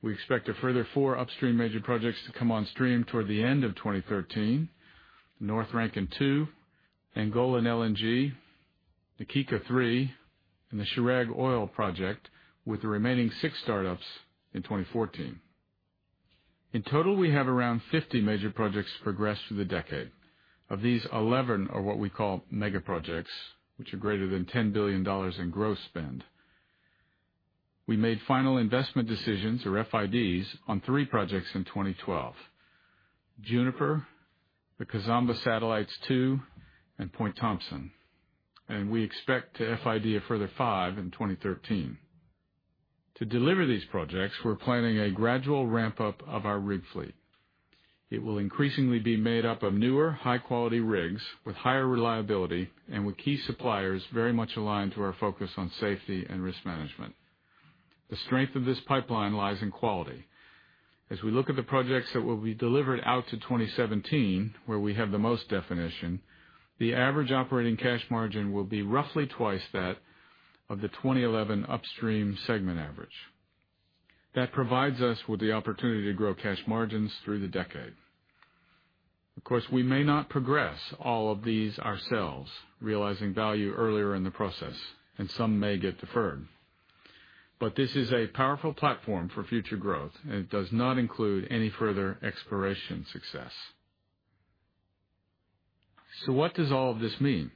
We expect a further four upstream major projects to come on stream toward the end of 2013, North Rankin 2, Angolan LNG, Na Kika 3, and the Chirag Oil Project, with the remaining six startups in 2014. In total, we have around 50 major projects to progress through the decade. Of these, 11 are what we call mega projects, which are greater than $10 billion in gross spend. We made final investment decisions, or FIDs, on three projects in 2012, Juniper, Kizomba Satellites 2, and Point Thompson. We expect to FID a further five in 2013. To deliver these projects, we're planning a gradual ramp-up of our rig fleet. It will increasingly be made up of newer, high-quality rigs with higher reliability and with key suppliers very much aligned to our focus on safety and risk management. The strength of this pipeline lies in quality. As we look at the projects that will be delivered out to 2017, where we have the most definition, the average operating cash margin will be roughly twice that of the 2011 Upstream segment average. That provides us with the opportunity to grow cash margins through the decade. Of course, we may not progress all of these ourselves, realizing value earlier in the process, and some may get deferred. This is a powerful platform for future growth, and it does not include any further exploration success. What does all of this mean?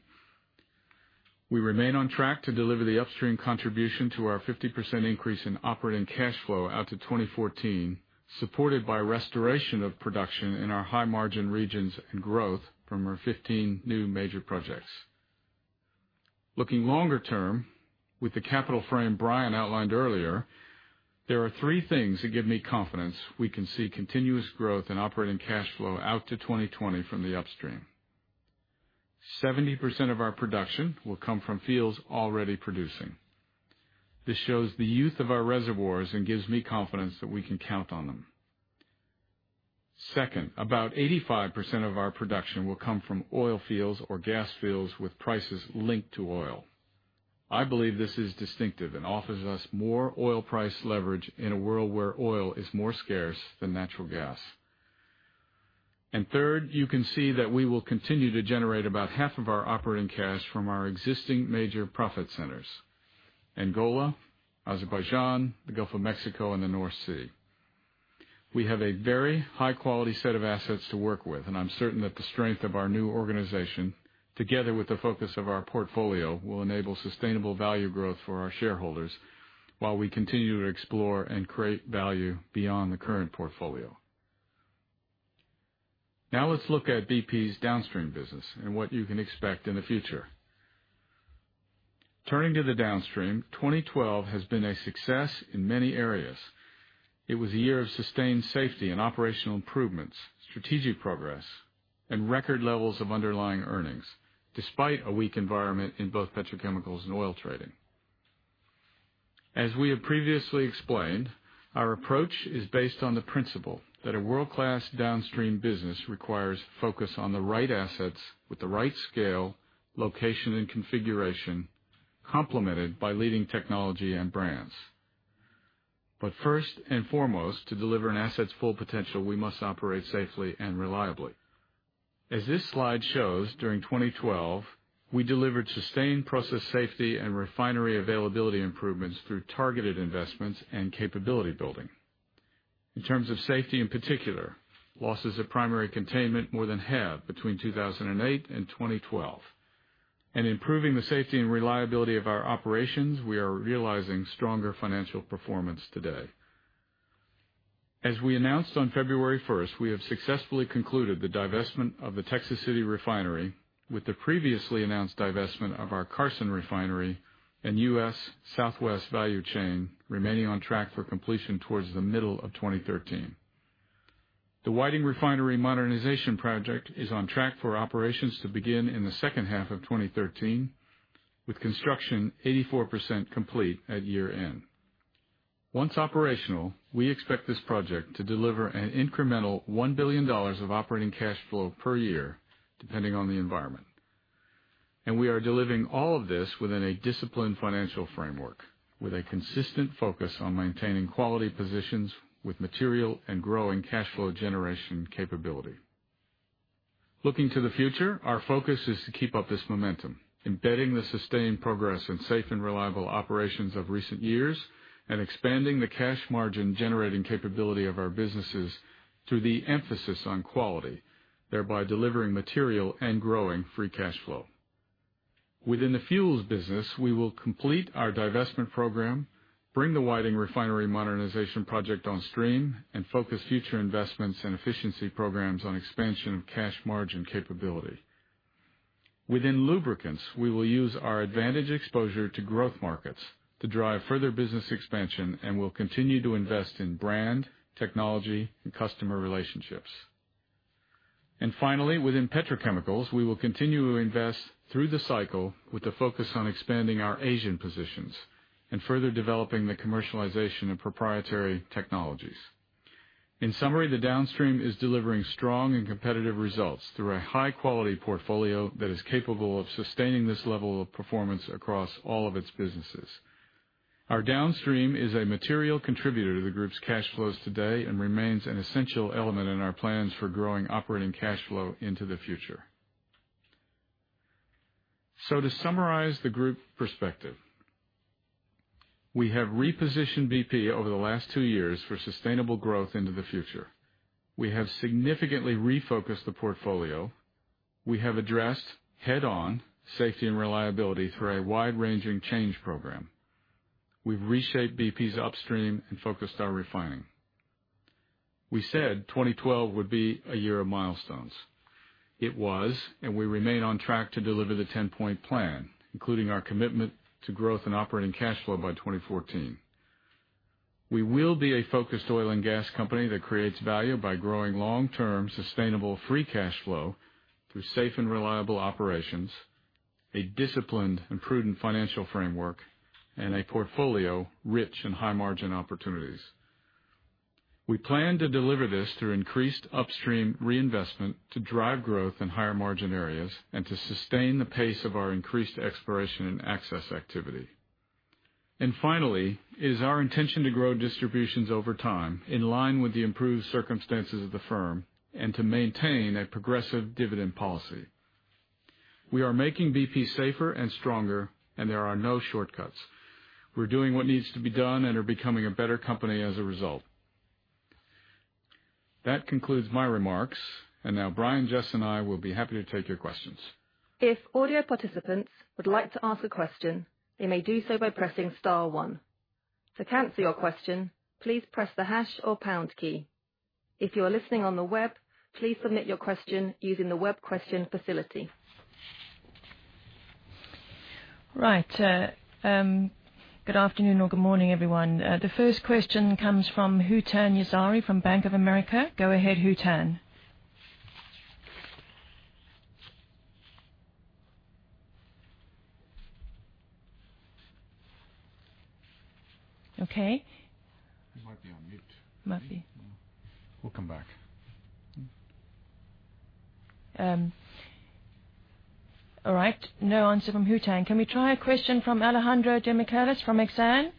We remain on track to deliver the Upstream contribution to our 50% increase in operating cash flow out to 2014, supported by restoration of production in our high-margin regions and growth from our 15 new major projects. Looking longer term, with the capital frame Brian outlined earlier, there are three things that give me confidence we can see continuous growth in operating cash flow out to 2020 from the Upstream. 70% of our production will come from fields already producing. This shows the youth of our reservoirs and gives me confidence that we can count on them. Second, about 85% of our production will come from oil fields or gas fields with prices linked to oil. I believe this is distinctive and offers us more oil price leverage in a world where oil is more scarce than natural gas. Third, you can see that we will continue to generate about half of our operating cash from our existing major profit centers, Angola, Azerbaijan, the Gulf of Mexico, and the North Sea. We have a very high-quality set of assets to work with, and I'm certain that the strength of our new organization, together with the focus of our portfolio, will enable sustainable value growth for our shareholders while we continue to explore and create value beyond the current portfolio. Let's look at BP's Downstream business and what you can expect in the future. Turning to the Downstream, 2012 has been a success in many areas. It was a year of sustained safety and operational improvements, strategic progress, and record levels of underlying earnings, despite a weak environment in both petrochemicals and oil trading. As we have previously explained, our approach is based on the principle that a world-class Downstream business requires focus on the right assets with the right scale, location, and configuration, complemented by leading technology and brands. First and foremost, to deliver an asset's full potential, we must operate safely and reliably. As this slide shows, during 2012, we delivered sustained process safety and refinery availability improvements through targeted investments and capability building. In terms of safety in particular, losses of primary containment more than halved between 2008 and 2012. In improving the safety and reliability of our operations, we are realizing stronger financial performance today. As we announced on February 1st, we have successfully concluded the divestment of the Texas City refinery with the previously announced divestment of our Carson refinery and U.S. Southwest value chain remaining on track for completion towards the middle of 2013. The Whiting Refinery Modernization project is on track for operations to begin in the second half of 2013, with construction 84% complete at year-end. Once operational, we expect this project to deliver an incremental $1 billion of operating cash flow per year, depending on the environment. We are delivering all of this within a disciplined financial framework with a consistent focus on maintaining quality positions with material and growing cash flow generation capability. Looking to the future, our focus is to keep up this momentum, embedding the sustained progress in safe and reliable operations of recent years and expanding the cash margin generating capability of our businesses through the emphasis on quality, thereby delivering material and growing free cash flow. Within the fuels business, we will complete our divestment program, bring the Whiting Refinery Modernization project on stream, and focus future investments and efficiency programs on expansion of cash margin capability. Within lubricants, we will use our advantage exposure to growth markets to drive further business expansion and will continue to invest in brand, technology, and customer relationships. Finally, within petrochemicals, we will continue to invest through the cycle with a focus on expanding our Asian positions and further developing the commercialization of proprietary technologies. In summary, the Downstream is delivering strong and competitive results through a high-quality portfolio that is capable of sustaining this level of performance across all of its businesses. Our Downstream is a material contributor to the group's cash flows today and remains an essential element in our plans for growing operating cash flow into the future. To summarize the group perspective, we have repositioned BP over the last two years for sustainable growth into the future. We have significantly refocused the portfolio. We have addressed head-on safety and reliability through a wide-ranging change program. We've reshaped BP's Upstream and focused our refining. We said 2012 would be a year of milestones. It was, and we remain on track to deliver the 10-point plan, including our commitment to growth and operating cash flow by 2014. We will be a focused oil and gas company that creates value by growing long-term sustainable free cash flow through safe and reliable operations, a disciplined and prudent financial framework, and a portfolio rich in high-margin opportunities. We plan to deliver this through increased Upstream reinvestment to drive growth in higher margin areas and to sustain the pace of our increased exploration and access activity. Finally, it is our intention to grow distributions over time, in line with the improved circumstances of the firm, and to maintain a progressive dividend policy. We are making BP safer and stronger, and there are no shortcuts. We're doing what needs to be done and are becoming a better company as a result. That concludes my remarks, and now Brian, Jess, and I will be happy to take your questions. If audio participants would like to ask a question, they may do so by pressing star one. To cancel your question, please press the hash or pound key. If you are listening on the web, please submit your question using the web question facility. Right. Good afternoon or good morning, everyone. The first question comes from Hootan Yazhari from Bank of America. Go ahead, Hootan. Okay. He might be on mute. Might be. We'll come back. All right. No answer from Hootan. Can we try a question from Alejandro de Michellais from Exane?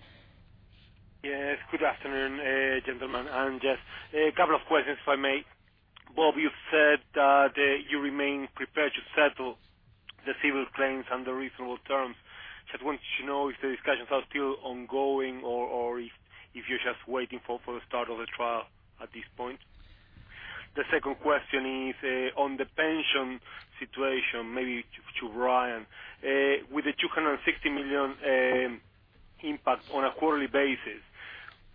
Yes. Good afternoon, gentlemen and Jess. A couple of questions, if I may. Bob, you've said that you remain prepared to settle the civil claims under reasonable terms. Just want to know if the discussions are still ongoing or if you're just waiting for the start of the trial at this point. The second question is on the pension situation, maybe to Brian. With the $260 million impact on a quarterly basis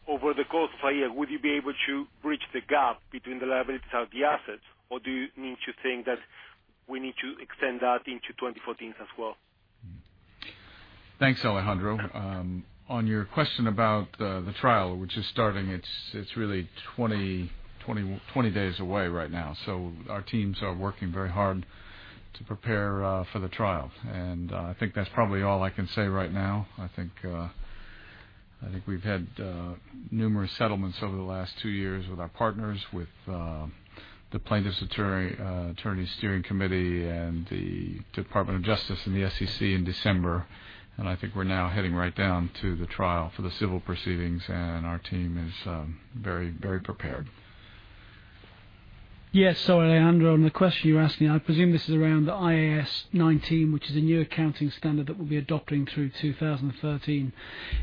over the course of a year, would you be able to bridge the gap between the liabilities and the assets, or do you need to think that we need to extend that into 2014 as well? Thanks, Alejandro. On your question about the trial, which is starting, it's really 20 days away right now. Our teams are working very hard to prepare for the trial. I think that's probably all I can say right now. I think we've had numerous settlements over the last 2 years with our partners, with the Plaintiffs' Steering Committee, and the United States Department of Justice and the SEC in December. I think we're now heading right down to the trial for the civil proceedings, and our team is very prepared. Yes. Alejandro, on the question you asked me, I presume this is around the IAS 19, which is a new accounting standard that we'll be adopting through 2013.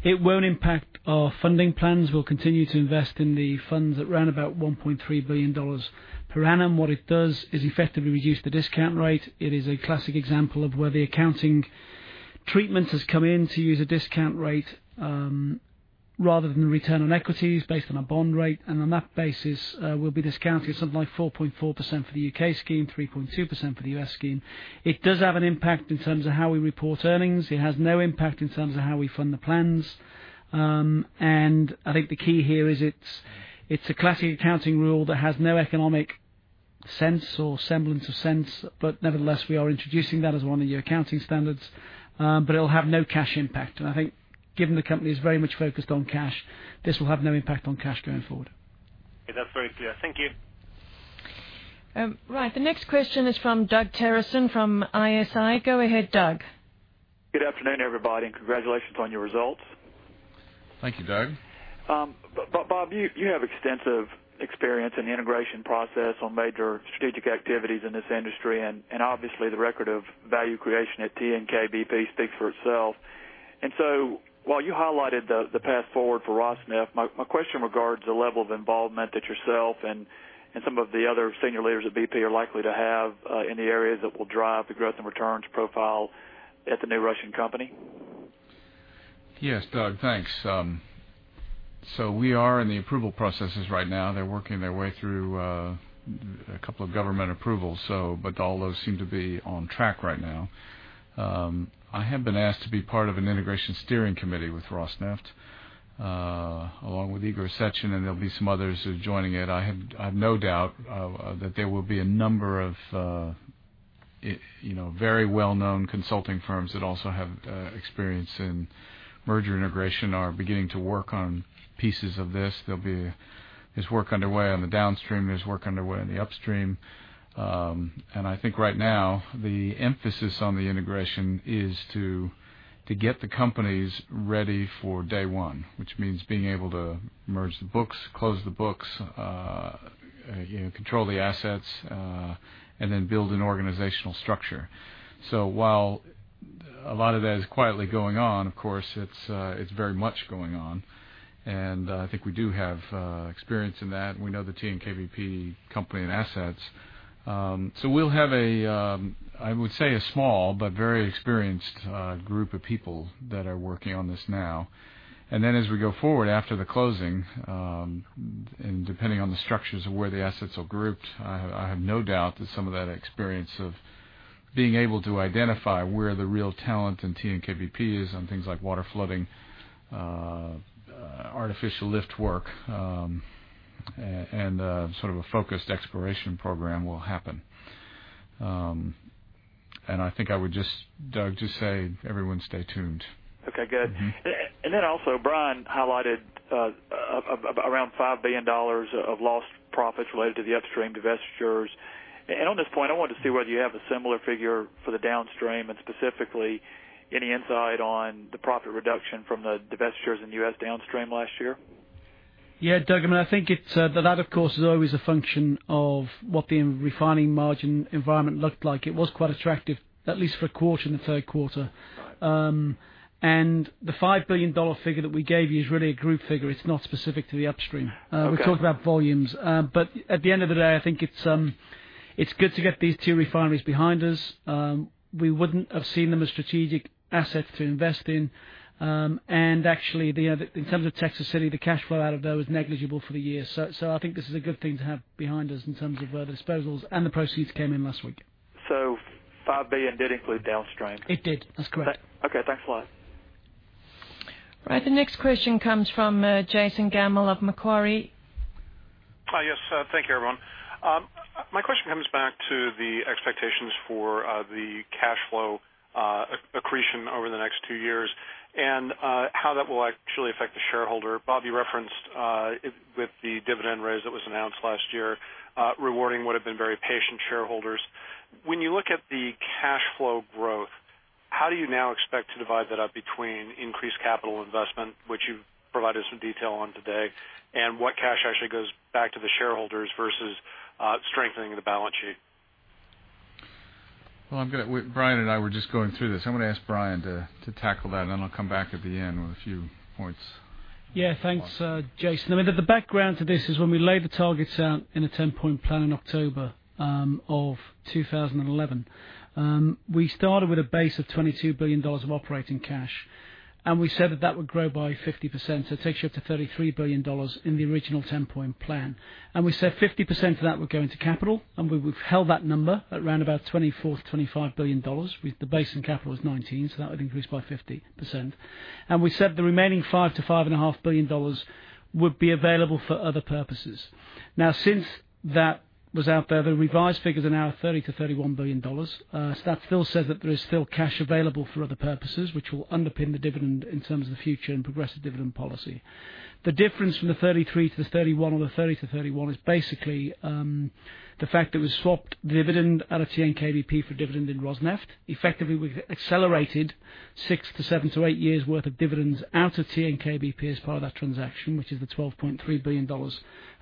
It won't impact our funding plans. We'll continue to invest in the funds at around about $1.3 billion per annum. What it does is effectively reduce the discount rate. It is a classic example of where the accounting treatment has come in to use a discount rate rather than the return on equities based on a bond rate. On that basis, we'll be discounting something like 4.4% for the U.K. scheme, 3.2% for the U.S. scheme. It does have an impact in terms of how we report earnings. It has no impact in terms of how we fund the plans. I think the key here is it's a classic accounting rule that has no economic sense or semblance of sense. Nevertheless, we are introducing that as one of the accounting standards, but it'll have no cash impact. I think given the company is very much focused on cash, this will have no impact on cash going forward. That's very clear. Thank you. Right. The next question is from Doug Terreson from ISI. Go ahead, Doug. Good afternoon, everybody, and congratulations on your results. Thank you, Doug. Bob, you have extensive experience in the integration process on major strategic activities in this industry, obviously, the record of value creation at TNK-BP speaks for itself. While you highlighted the path forward for Rosneft, my question regards the level of involvement that yourself and some of the other senior leaders at BP are likely to have in the areas that will drive the growth and returns profile at the new Russian company. Yes, Doug. Thanks. We are in the approval processes right now. They're working their way through a couple of government approvals, but all those seem to be on track right now. I have been asked to be part of an integration steering committee with Rosneft, along with Igor Sechin, and there'll be some others who are joining it. I have no doubt that there will be a number of very well-known consulting firms that also have experience in merger integration are beginning to work on pieces of this. There's work underway on the downstream. There's work underway on the upstream. I think right now the emphasis on the integration is to get the companies ready for day one, which means being able to merge the books, close the books, control the assets, and then build an organizational structure. A lot of that is quietly going on. Of course, it's very much going on. I think we do have experience in that, and we know the TNK-BP company and assets. We'll have, I would say, a small but very experienced group of people that are working on this now. Then as we go forward after the closing, and depending on the structures of where the assets are grouped, I have no doubt that some of that experience of being able to identify where the real talent in TNK-BP is on things like water flooding, artificial lift work, and sort of a focused exploration program will happen. I think I would just, Doug, just say everyone stay tuned. Okay, good. Also Brian highlighted around $5 billion of lost profits related to the upstream divestitures. On this point, I wanted to see whether you have a similar figure for the downstream and specifically any insight on the profit reduction from the divestitures in U.S. downstream last year. Yeah, Doug, I think that of course is always a function of what the refining margin environment looked like. It was quite attractive, at least for a quarter in the third quarter. Right. The $5 billion figure that we gave you is really a group figure. It's not specific to the upstream. Okay. We talked about volumes. At the end of the day, I think it's good to get these two refineries behind us. We wouldn't have seen them as strategic assets to invest in. Actually, in terms of Texas City, the cash flow out of there was negligible for the year. I think this is a good thing to have behind us in terms of disposals, and the proceeds came in last week. $5 billion did include downstream? It did. That's correct. Okay. Thanks a lot. Right. The next question comes from Jason Gammel of Macquarie. Yes. Thank you, everyone. My question comes back to the expectations for the cash flow accretion over the next two years and how that will actually affect the shareholder. Bob, you referenced with the dividend raise that was announced last year, rewarding what have been very patient shareholders. When you look at the cash flow growth, how do you now expect to divide that up between increased capital investment, which you've provided some detail on today, and what cash actually goes back to the shareholders versus strengthening the balance sheet? Well, Brian and I were just going through this. I am going to ask Brian to tackle that, then I will come back at the end with a few points. Yeah, thanks, Jason. The background to this is when we laid the targets out in a 10-point plan in October of 2011. We started with a base of $22 billion of operating cash, and we said that that would grow by 50%. It takes you up to $33 billion in the original 10-point plan. We said 50% of that would go into capital, and we have held that number at around about $24 billion-$25 billion with the base in capital was $19 billion, so that would increase by 50%. We said the remaining five to five and a half billion dollars would be available for other purposes. Since that was out there, the revised figures are now $30 billion-$31 billion. That still says that there is still cash available for other purposes, which will underpin the dividend in terms of the future and progressive dividend policy. The difference from the $0.33 to the $0.31 or the $0.30 to $0.31 is basically the fact that we swapped dividend out of TNK-BP for dividend in Rosneft. Effectively, we've accelerated six to seven to eight years' worth of dividends out of TNK-BP as part of that transaction, which is the $12.3 billion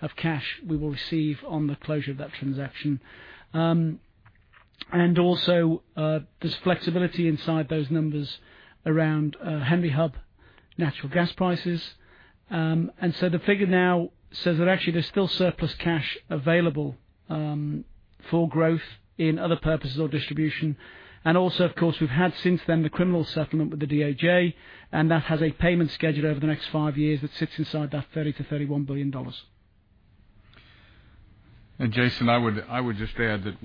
of cash we will receive on the closure of that transaction. There's flexibility inside those numbers around Henry Hub natural gas prices. The figure now says that actually there's still surplus cash available for growth in other purposes or distribution. Of course, we've had since then the criminal settlement with the DOJ, and that has a payment schedule over the next five years that sits inside that $30 billion-$31 billion. Jason, I would just add that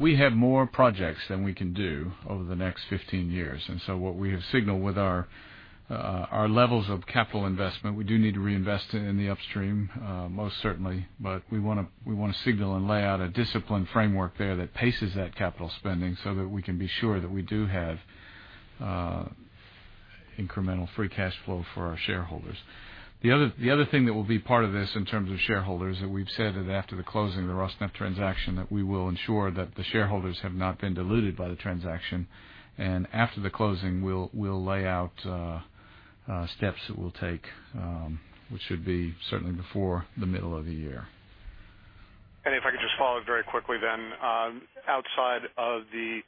we have more projects than we can do over the next 15 years. What we have signaled with our levels of capital investment, we do need to reinvest in the upstream most certainly, but we want to signal and lay out a disciplined framework there that paces that capital spending so that we can be sure that we do have incremental free cash flow for our shareholders. The other thing that will be part of this in terms of shareholders, that we've said that after the closing of the Rosneft transaction, that we will ensure that the shareholders have not been diluted by the transaction. After the closing, we'll lay out steps that we'll take which should be certainly before the middle of the year. If I could just follow very quickly then. Outside of the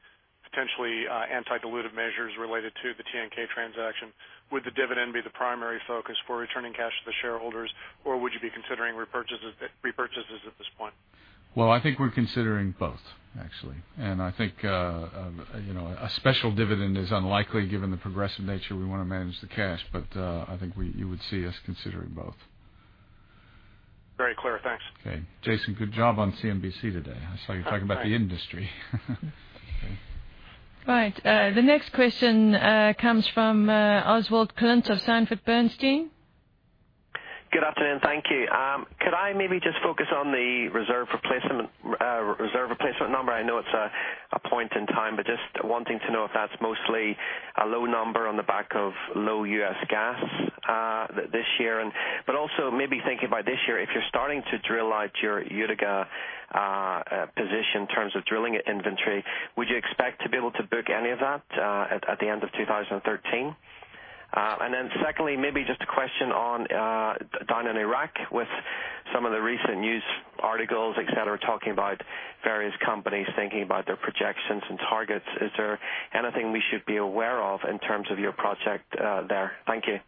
potentially anti-dilutive measures related to the TNK transaction, would the dividend be the primary focus for returning cash to the shareholders, or would you be considering repurchases at this point? Well, I think we're considering both, actually. I think a special dividend is unlikely given the progressive nature we want to manage the cash, but I think you would see us considering both. Very clear. Thanks. Okay. Jason, good job on CNBC today. I saw you talking about the industry. Right. The next question comes from Oswald Clint of Sanford Bernstein. Good afternoon. Thank you. Could I maybe just focus on the reserve replacement number? I know it's a point in time, but just wanting to know if that's mostly a low number on the back of low U.S. gas this year. Thinking about this year, if you're starting to drill out your Utica position in terms of drilling inventory, would you expect to be able to book any of that at the end of 2013? Secondly, maybe just a question on down in Iraq with some of the recent news articles, et cetera, talking about various companies thinking about their projections and targets. Is there anything we should be aware of in terms of your project there? Thank you.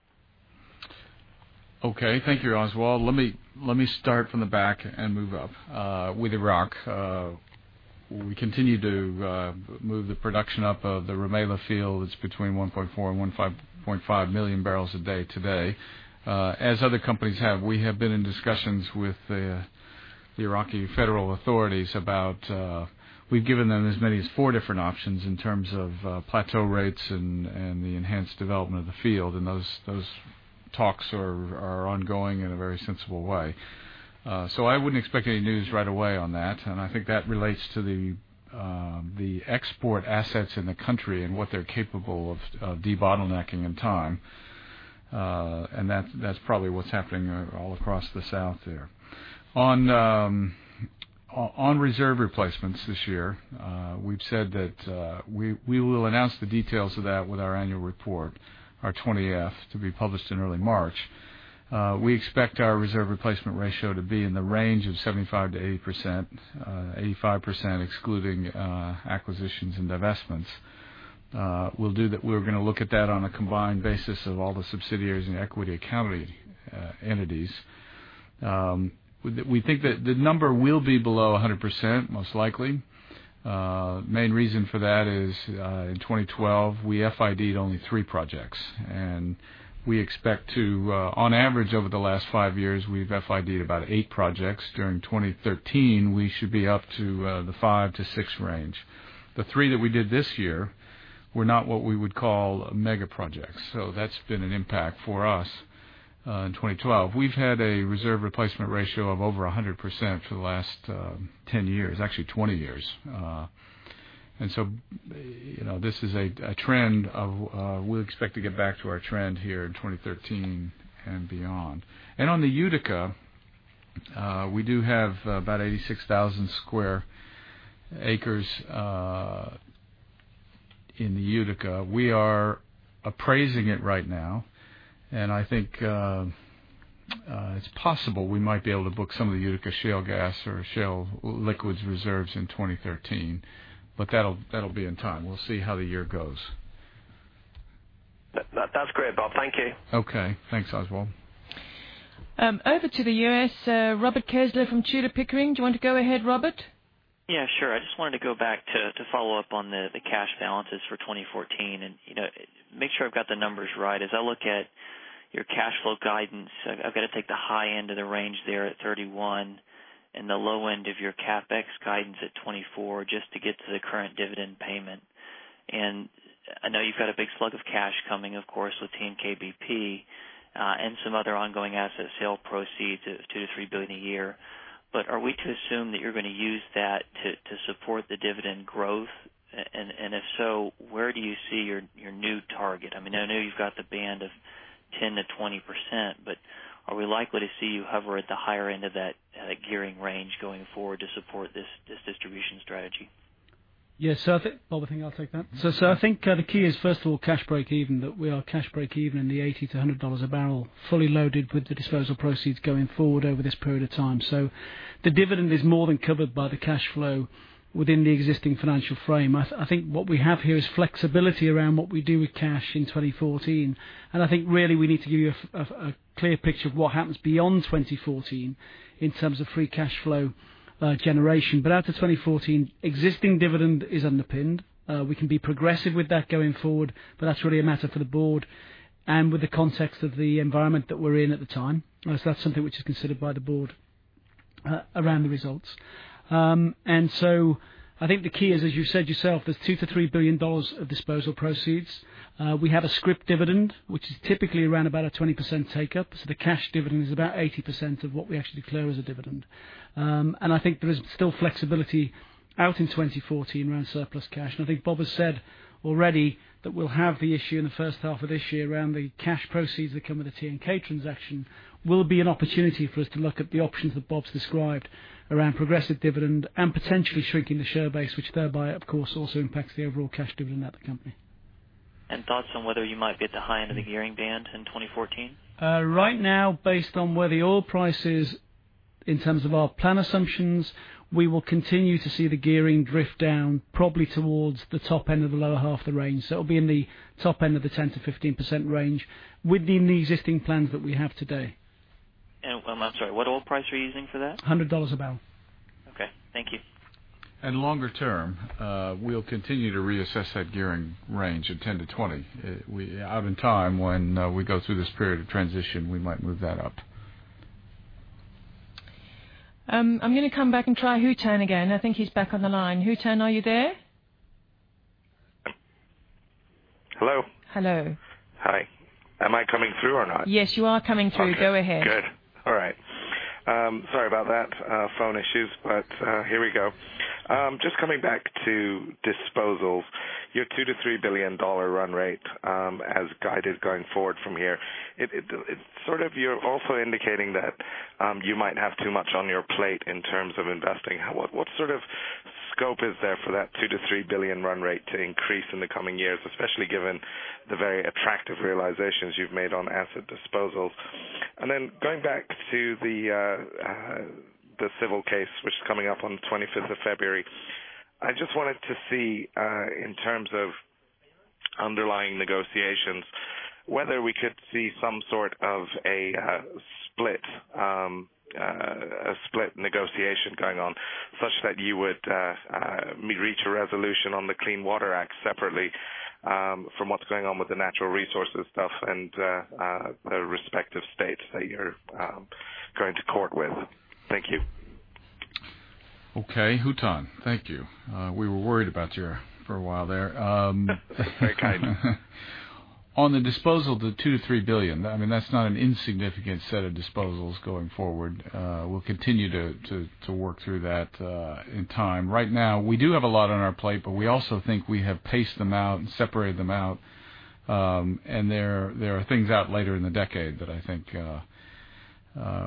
Okay. Thank you, Oswald. Let me start from the back and move up. With Iraq, we continue to move the production up of the Rumaila field. It's between 1.4 and 1.5 million barrels a day today. As other companies have, we have been in discussions with the Iraqi federal authorities about. We've given them as many as 4 different options in terms of plateau rates and the enhanced development of the field, and those talks are ongoing in a very sensible way. I wouldn't expect any news right away on that, and I think that relates to the export assets in the country and what they're capable of de-bottlenecking in time. That's probably what's happening all across the south there. On reserve replacements this year, we've said that we will announce the details of that with our annual report, our 20-F, to be published in early March. We expect our reserve replacement ratio to be in the range of 75%-80%, 85% excluding acquisitions and divestments. We're going to look at that on a combined basis of all the subsidiaries and equity accounted entities. We think that the number will be below 100%, most likely. Main reason for that is, in 2012, we FID'd only 3 projects. On average, over the last 5 years, we've FID'd about 8 projects. During 2013, we should be up to the 5-6 range. The 3 that we did this year were not what we would call mega projects, so that's been an impact for us in 2012. We've had a reserve replacement ratio of over 100% for the last 10 years, actually 20 years. This is a trend of we'll expect to get back to our trend here in 2013 and beyond. On the Utica, we do have about 86,000 square acres in the Utica. We are appraising it right now, and I think it's possible we might be able to book some of the Utica shale gas or shale liquids reserves in 2013. That'll be in time. We'll see how the year goes. That's great, Bob. Thank you. Okay. Thanks, Oswald. Over to the U.S., Robert Kesler from Tudor, Pickering. Do you want to go ahead, Robert? Yeah, sure. I just wanted to go back to follow up on the cash balances for 2014 and make sure I've got the numbers right. As I look at your cash flow guidance, I've got to take the high end of the range there at 31 and the low end of your CapEx guidance at 24 just to get to the current dividend payment. I know you've got a big slug of cash coming, of course, with TNK-BP and some other ongoing asset sale proceeds of $2 billion-$3 billion a year. Are we to assume that you're going to use that to support the dividend growth? If so, where do you see your new target? I know you've got the band of 10%-20%, Are we likely to see you hover at the higher end of that gearing range going forward to support this distribution strategy? Yes. Robert, I'll take that. The key is, first of all, cash breakeven, that we are cash breakeven in the $80-$100 a barrel, fully loaded with the disposal proceeds going forward over this period of time. The dividend is more than covered by the cash flow within the existing financial frame. What we have here is flexibility around what we do with cash in 2014. Really we need to give you a clear picture of what happens beyond 2014 in terms of free cash flow generation. After 2014, existing dividend is underpinned. We can be progressive with that going forward, but that's really a matter for the board and with the context of the environment that we're in at the time. That's something which is considered by the board around the results. The key is, as you said yourself, there's $2 billion-$3 billion of disposal proceeds. We have a scrip dividend, which is typically around about a 20% take up. The cash dividend is about 80% of what we actually declare as a dividend. There is still flexibility out in 2014 around surplus cash. Bob has said already that we'll have the issue in the first half of this year around the cash proceeds that come with the TNK transaction will be an opportunity for us to look at the options that Bob's described around progressive dividend and potentially shrinking the share base, which thereby, of course, also impacts the overall cash dividend at the company. Thoughts on whether you might be at the high end of the gearing band in 2014? Right now, based on where the oil price is in terms of our plan assumptions, we will continue to see the gearing drift down probably towards the top end of the lower half of the range. It'll be in the top end of the 10%-15% range within the existing plans that we have today. I'm sorry, what oil price are you using for that? $100 a barrel. Okay. Thank you. Longer term, we'll continue to reassess that gearing range of 10-20. Out in time when we go through this period of transition, we might move that up. I'm going to come back and try Hootan again. I think he's back on the line. Hootan, are you there? Hello. Hello. Hi. Am I coming through or not? Yes, you are coming through. Go ahead. Okay, good. All right. Sorry about that, phone issues, but here we go. Just coming back to disposals, your $2 billion-$3 billion run rate as guided going forward from here. You're also indicating that you might have too much on your plate in terms of investing. What sort of scope is there for that $2 billion-$3 billion run rate to increase in the coming years, especially given the very attractive realizations you've made on asset disposals. Going back to the civil case, which is coming up on the 25th of February. I just wanted to see, in terms of underlying negotiations, whether we could see some sort of a split negotiation going on, such that you would reach a resolution on the Clean Water Act separately from what's going on with the natural resources stuff and the respective states that you're going to court with. Thank you. Okay, Hootan. Thank you. We were worried about you for a while there. Very kind. On the disposal, the $2 billion-$3 billion. That's not an insignificant set of disposals going forward. We'll continue to work through that in time. Right now, we do have a lot on our plate, we also think we have paced them out and separated them out. There are things out later in the decade that I think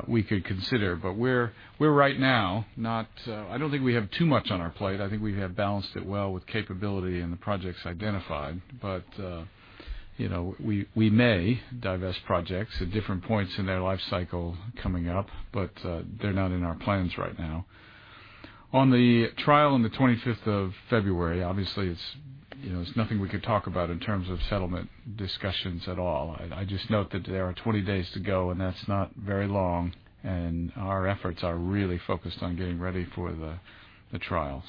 we could consider. We're right now, I don't think we have too much on our plate. I think we have balanced it well with capability and the projects identified. We may divest projects at different points in their life cycle coming up, but they're not in our plans right now. On the trial on the 25th of February, obviously, it's nothing we could talk about in terms of settlement discussions at all. I just note that there are 20 days to go, that's not very long, our efforts are really focused on getting ready for the trial.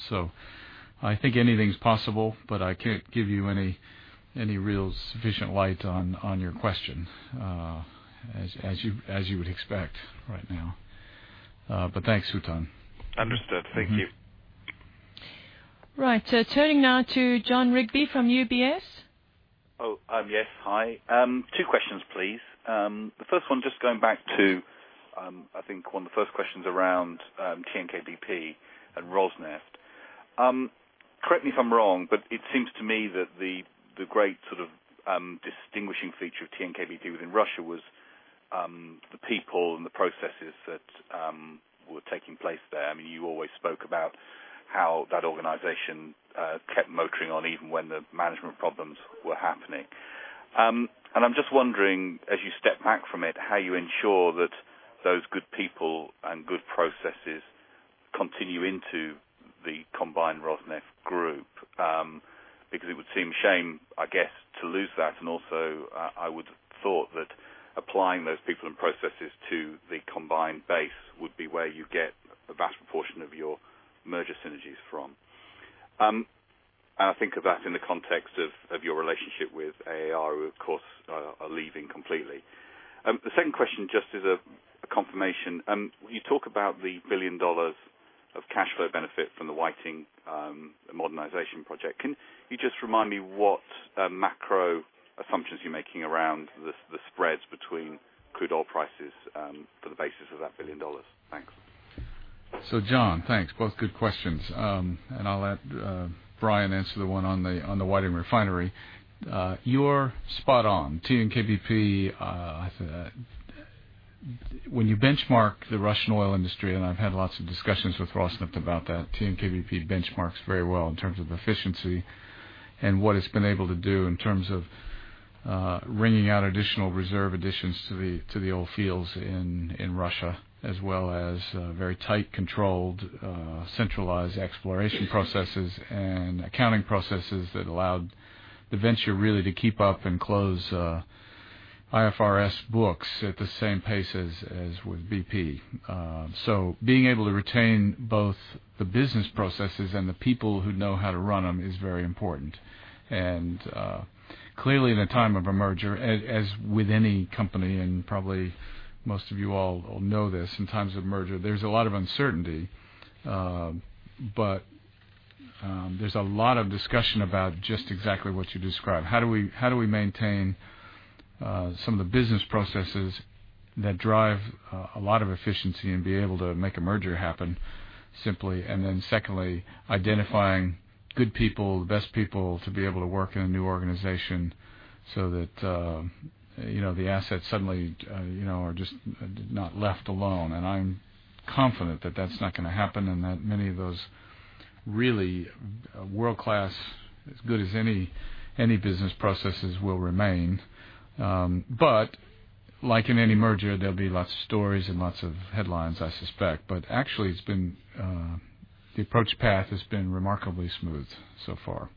I think anything's possible, but I can't give you any real sufficient light on your question, as you would expect right now. Thanks, Hootan. Understood. Thank you. Right. Turning now to Jon Rigby from UBS. Oh, yes. Hi. Two questions, please. The first one, just going back to, I think one of the first questions around TNK-BP and Rosneft. Correct me if I'm wrong, but it seems to me that the great sort of distinguishing feature of TNK-BP within Russia was the people and the processes that were taking place there. You always spoke about how that organization kept motoring on even when the management problems were happening. I'm just wondering, as you step back from it, how you ensure that those good people and good processes continue into the combined Rosneft group. It would seem shame, I guess, to lose that. I would've thought that applying those people and processes to the combined base would be where you get a vast proportion of your merger synergies from. I think of that in the context of your relationship with AAR, who, of course, are leaving completely. The second question just is a confirmation. You talk about the $1 billion of cash flow benefit from the Whiting modernization project. Can you just remind me what macro assumptions you're making around the spreads between crude oil prices for the basis of that $1 billion? Thanks. John, thanks. Both good questions. I'll let Brian answer the one on the Whiting Refinery. You're spot on. TNK-BP, when you benchmark the Russian oil industry, I've had lots of discussions with Rosneft about that, TNK-BP benchmarks very well in terms of efficiency and what it's been able to do in terms of wringing out additional reserve additions to the old fields in Russia, as well as very tight, controlled, centralized exploration processes and accounting processes that allowed the venture really to keep up and close IFRS books at the same pace as with BP. Being able to retain both the business processes and the people who know how to run them is very important. Clearly, in the time of a merger, as with any company, and probably most of you all know this, in times of merger, there's a lot of uncertainty. There's a lot of discussion about just exactly what you described. How do we maintain some of the business processes that drive a lot of efficiency and be able to make a merger happen simply, and then secondly, identifying good people, the best people to be able to work in a new organization so that the assets suddenly are just not left alone. I'm confident that that's not going to happen and that many of those really world-class, as good as any, business processes will remain. Like in any merger, there'll be lots of stories and lots of headlines, I suspect. The approach path has been remarkably smooth so far.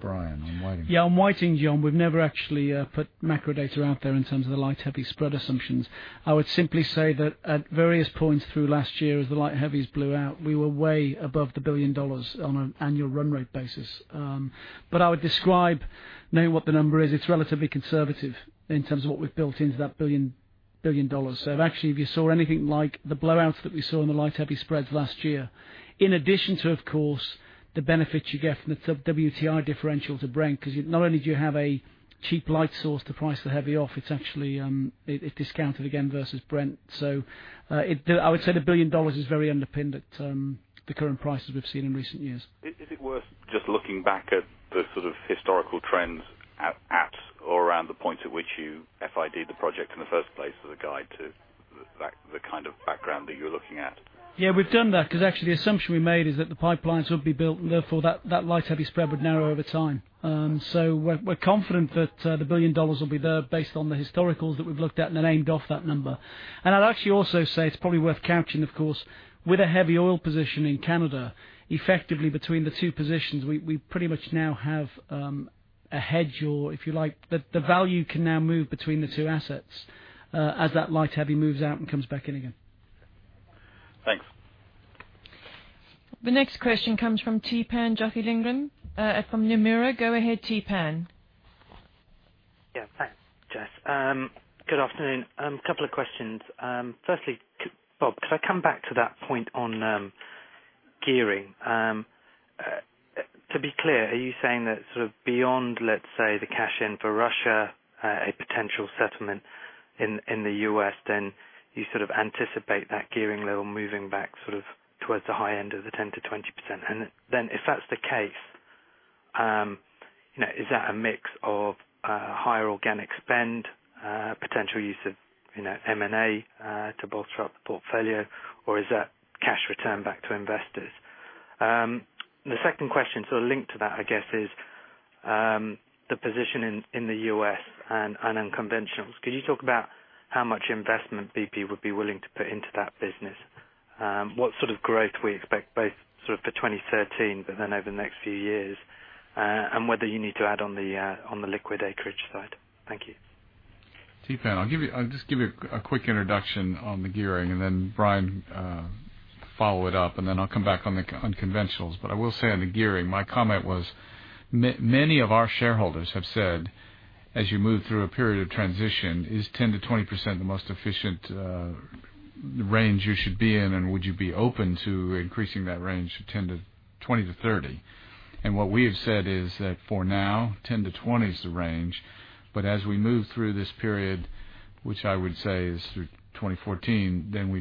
Brian, on Whiting. On Whiting, John, we've never actually put macro data out there in terms of the light heavy spread assumptions. I would simply say that at various points through last year, as the light heavies blew out, we were way above the $1 billion on an annual run rate basis. I would describe knowing what the number is. It's relatively conservative in terms of what we've built into that $1 billion. If actually if you saw anything like the blowouts that we saw in the light heavy spreads last year, in addition to, of course, the benefit you get from the WTI differential to Brent, because not only do you have a cheap light source to price the heavy off, it's actually discounted again versus Brent. I would say the $1 billion is very underpinned at the current prices we've seen in recent years. Is it worth just looking back at the sort of historical trends at Around the point at which you FID'd the project in the first place as a guide to the kind of background that you're looking at. We've done that because actually the assumption we made is that the pipelines would be built, and therefore that light heavy spread would narrow over time. We're confident that the $1 billion will be there based on the historicals that we've looked at, and then aimed off that number. I'd actually also say it's probably worth capturing, of course, with a heavy oil position in Canada, effectively between the two positions, we pretty much now have a hedge, or if you like, the value can now move between the two assets as that light heavy moves out and comes back in again. Thanks. The next question comes from Tapan Jogindran from Nomura. Go ahead, Tapan. Yeah. Thanks, Jess. Good afternoon. A couple of questions. Firstly, Bob, could I come back to that point on gearing? To be clear, are you saying that sort of beyond, let's say, the cash-in for Russia, a potential settlement in the U.S., then you sort of anticipate that gearing level moving back sort of towards the high end of the 10%-20%? Then if that's the case, is that a mix of higher organic spend, potential use of M&A to bolster up the portfolio, or is that cash return back to investors? The second question sort of linked to that, I guess, is the position in the U.S. on unconventionals. Could you talk about how much investment BP would be willing to put into that business? What sort of growth we expect both sort of for 2013, then over the next few years, and whether you need to add on the liquid acreage side. Thank you. Tapan, I'll just give you a quick introduction on the gearing and then Brian follow it up, and then I'll come back on conventionals. I will say on the gearing, my comment was, many of our shareholders have said, as you move through a period of transition, is 10%-20% the most efficient range you should be in, and would you be open to increasing that range to 20%-30%? What we have said is that for now, 10%-20% is the range. As we move through this period, which I would say is through 2014, then we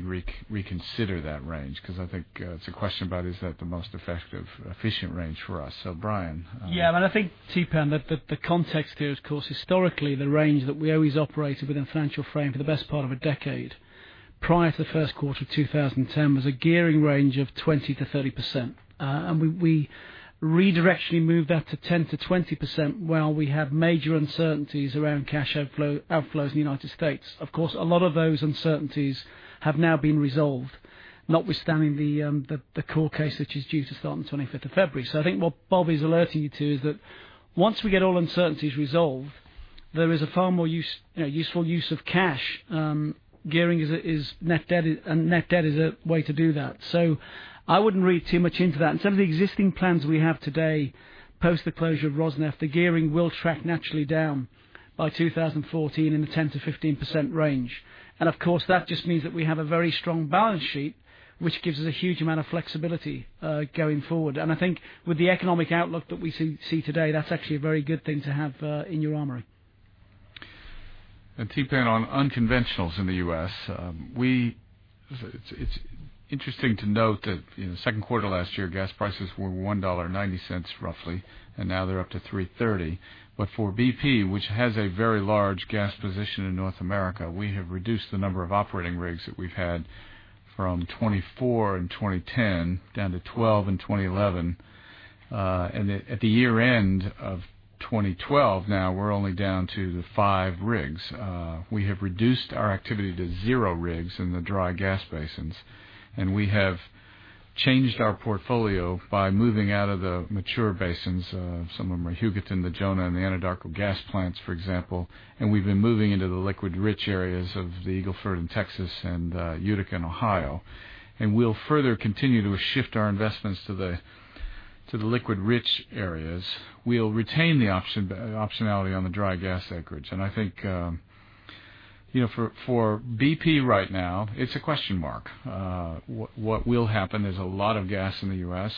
reconsider that range, because I think it's a question about is that the most effective, efficient range for us. Brian. Yeah. I think, Tapan, that the context here, of course, historically, the range that we always operated within financial frame for the best part of a decade, prior to the first quarter of 2010, was a gearing range of 20%-30%. We redirectionally moved that to 10%-20% while we have major uncertainties around cash outflows in the U.S. A lot of those uncertainties have now been resolved, notwithstanding the core case, which is due to start on the 25th of February. I think what Bob is alerting you to is that once we get all uncertainties resolved, there is a far more useful use of cash. Gearing is net debt, and net debt is a way to do that. I wouldn't read too much into that. In some of the existing plans we have today, post the closure of Rosneft, the gearing will track naturally down by 2014 in the 10%-15% range. That just means that we have a very strong balance sheet, which gives us a huge amount of flexibility going forward. I think with the economic outlook that we see today, that's actually a very good thing to have in your armory. Tapan, on unconventionals in the U.S., it's interesting to note that in the second quarter last year, gas prices were $1.90 roughly, and now they're up to $3.30. For BP, which has a very large gas position in North America, we have reduced the number of operating rigs that we've had from 24 in 2010 down to 12 in 2011. At the year-end of 2012, now we're only down to the five rigs. We have reduced our activity to zero rigs in the dry gas basins, and we have changed our portfolio by moving out of the mature basins. Some of them are Hugoton, the Jonah, and the Anadarko gas plants, for example, and we've been moving into the liquid-rich areas of the Eagle Ford in Texas and Utica in Ohio. We'll further continue to shift our investments to the liquid-rich areas. We'll retain the optionality on the dry gas acreage. I think, for BP right now, it's a question mark. What will happen? There's a lot of gas in the U.S.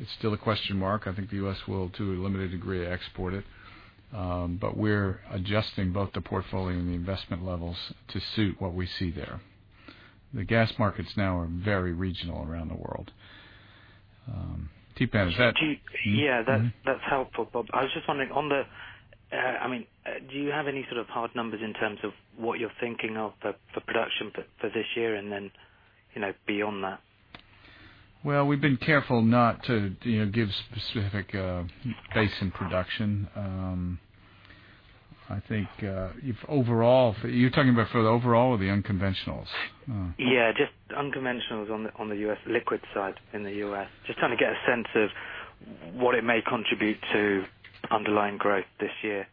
It's still a question mark. I think the U.S. will, to a limited degree, export it. We're adjusting both the portfolio and the investment levels to suit what we see there. The gas markets now are very regional around the world. Tapan, is that- Yeah. That's helpful, Bob. I was just wondering, do you have any sort of hard numbers in terms of what you're thinking of for production for this year and then beyond that? Well, we've been careful not to give specific basin production. I think you're talking about for the overall or the unconventionals? Yeah, just unconventionals on the U.S. liquid side in the U.S. Just trying to get a sense of what it may contribute to underlying growth this year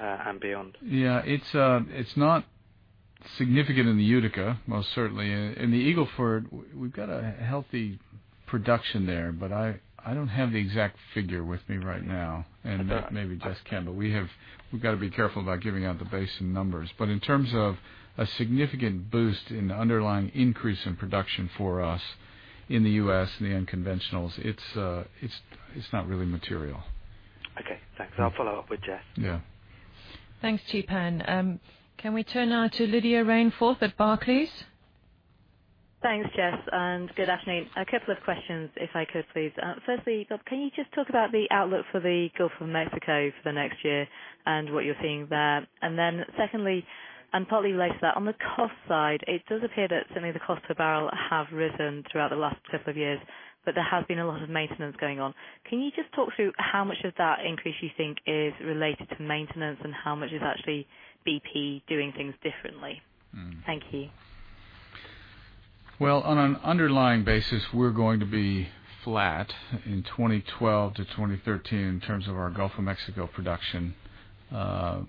and beyond. Yeah. It's not significant in the Utica, most certainly. In the Eagle Ford, we've got a healthy production there, but I don't have the exact figure with me right now, and maybe Jess can, but we've got to be careful about giving out the basin numbers. In terms of a significant boost in underlying increase in production for us in the U.S. in the unconventionals, it's not really material. Okay. Thanks. I'll follow up with Jess. Yeah. Thanks, Tapan. Can we turn now to Lydia Rainforth at Barclays? Thanks, Jess. Good afternoon. A couple of questions if I could please. Firstly, Bob, can you just talk about the outlook for the Gulf of Mexico for the next year and what you're seeing there. Secondly, and partly related to that, on the cost side, it does appear that certainly the cost per barrel have risen throughout the last couple of years, but there has been a lot of maintenance going on. Can you just talk through how much of that increase you think is related to maintenance and how much is actually BP doing things differently? Thank you. Well, on an underlying basis, we're going to be flat in 2012 to 2013 in terms of our Gulf of Mexico production.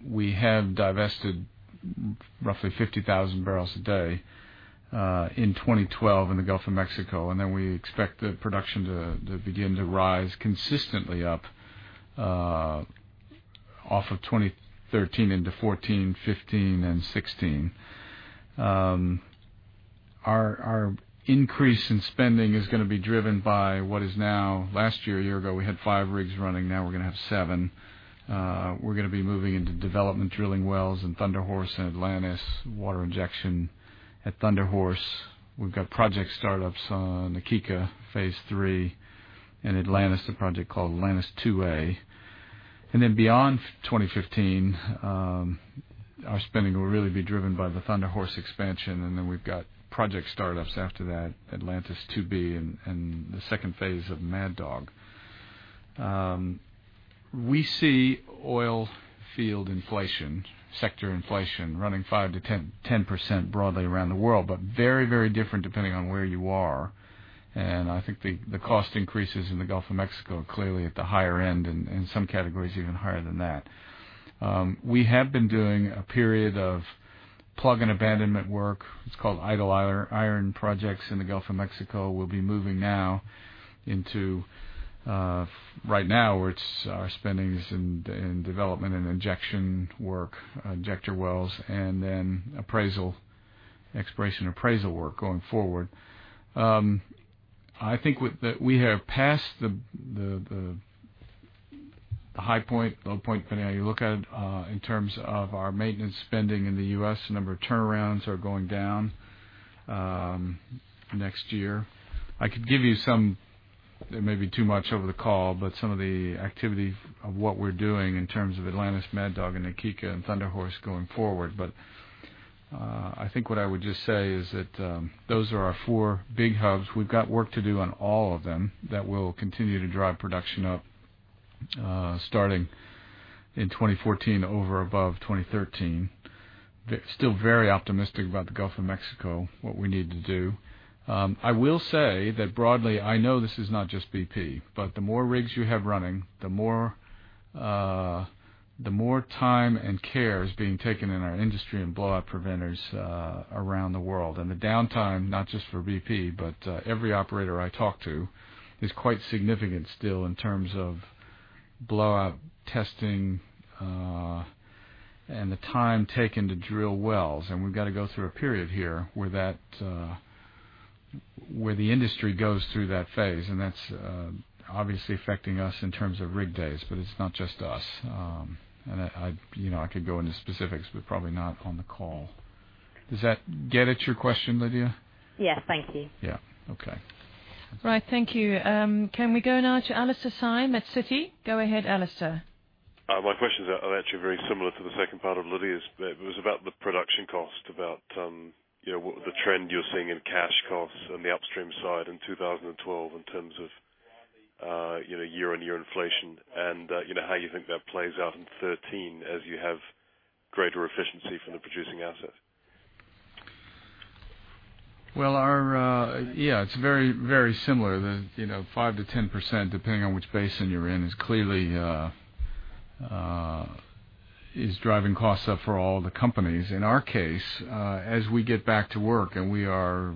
We have divested roughly 50,000 barrels a day in 2012 in the Gulf of Mexico. Then we expect the production to begin to rise consistently up off of 2013 into 2014, 2015, and 2016. Our increase in spending is going to be driven by last year, a year ago, we had five rigs running. Now we're going to have seven. We're going to be moving into development drilling wells in Thunder Horse and Atlantis, water injection at Thunder Horse. We've got project startups on Na Kika Phase 3 and Atlantis, a project called Atlantis 2A. Beyond 2015, our spending will really be driven by the Thunder Horse expansion, and then we've got project startups after that, Atlantis 2B and the second phase of Mad Dog. We see oil field inflation, sector inflation, running 5%-10% broadly around the world, but very different depending on where you are. I think the cost increases in the Gulf of Mexico are clearly at the higher end and, in some categories, even higher than that. We have been doing a period of plug and abandonment work. It's called idle iron projects in the Gulf of Mexico. We'll be moving now into. Right now our spending is in development and injection work, injector wells, and then appraisal, exploration appraisal work going forward. I think that we have passed the high point, low point, depending how you look at it, in terms of our maintenance spending in the U.S. A number of turnarounds are going down, next year. I could give you some, it may be too much over the call, but some of the activity of what we're doing in terms of Atlantis, Mad Dog, Na Kika and Thunder Horse going forward. I think what I would just say is that those are our four big hubs. We've got work to do on all of them that will continue to drive production up, starting in 2014 over above 2013. Still very optimistic about the Gulf of Mexico, what we need to do. I will say that broadly, I know this is not just BP, but the more rigs you have running, the more time and care is being taken in our industry and blowout preventers around the world. The downtime, not just for BP, but every operator I talk to, is quite significant still in terms of blowout testing, and the time taken to drill wells. We've got to go through a period here where the industry goes through that phase, and that's obviously affecting us in terms of rig days, but it's not just us. I could go into specifics, but probably not on the call. Does that get at your question, Lydia? Yes. Thank you. Yeah. Okay. Right. Thank you. Can we go now to Alastair Syme at Citi? Go ahead, Alastair. My questions are actually very similar to the second part of Lydia's. It was about the production cost, about the trend you're seeing in cash costs on the upstream side in 2012 in terms of year-on-year inflation, and how you think that plays out in 2013 as you have greater efficiency from the producing assets. Well, yeah. It's very similar. The 5%-10%, depending on which basin you're in, is clearly driving costs up for all the companies. In our case, as we get back to work, and we are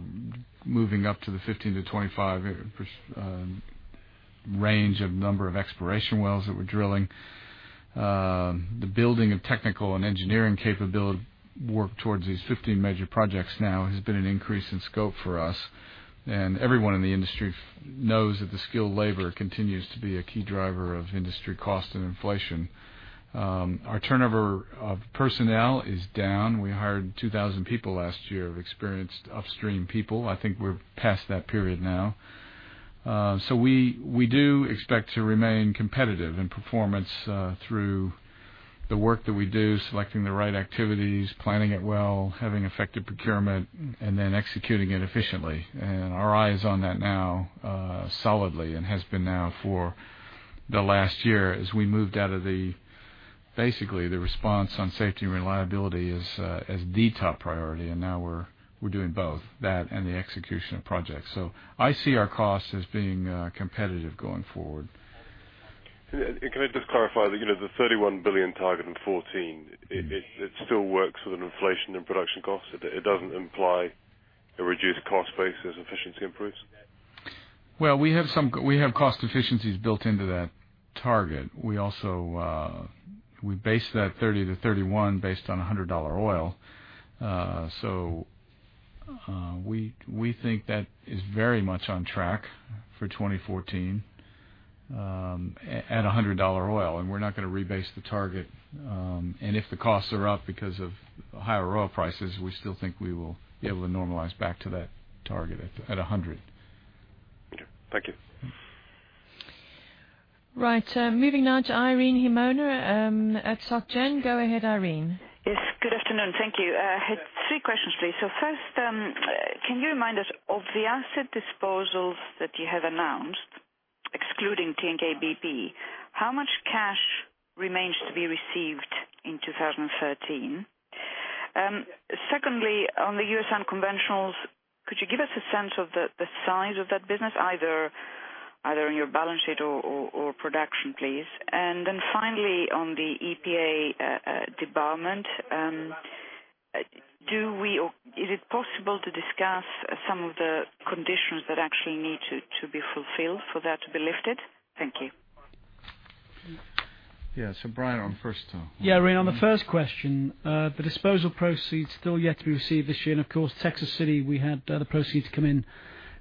moving up to the 15-25 range of number of exploration wells that we're drilling. The building of technical and engineering capability work towards these 15 major projects now has been an increase in scope for us. Everyone in the industry knows that the skilled labor continues to be a key driver of industry cost and inflation. Our turnover of personnel is down. We hired 2,000 people last year of experienced upstream people. I think we're past that period now. We do expect to remain competitive in performance through the work that we do, selecting the right activities, planning it well, having effective procurement, and then executing it efficiently. Our eye is on that now solidly and has been now for the last year as we moved out of basically, the response on safety and reliability as the top priority. Now we're doing both, that and the execution of projects. I see our costs as being competitive going forward. Can I just clarify that the $31 billion target in 2014, it still works with an inflation and production cost? It doesn't imply a reduced cost base as efficiency improves? Well, we have cost efficiencies built into that target. We base that $30-$31 based on $100 oil. We think that is very much on track for 2014. At $100 oil, we're not going to rebase the target. If the costs are up because of higher oil prices, we still think we will be able to normalize back to that target at $100. Okay. Thank you. Right. Moving now to Irene Himona at Société Générale. Go ahead, Irene. Yes, good afternoon. Thank you. I had three questions, please. First, can you remind us, of the asset disposals that you have announced, excluding TNK-BP, how much cash remains to be received in 2013? Secondly, on the U.S. unconventionals, could you give us a sense of the size of that business, either on your balance sheet or production, please? Finally, on the EPA debarment, is it possible to discuss some of the conditions that actually need to be fulfilled for that to be lifted? Thank you. Yeah. Brian on first. Yeah, Irene, on the first question, the disposal proceeds still yet to be received this year. Of course, Texas City, we had the proceeds come in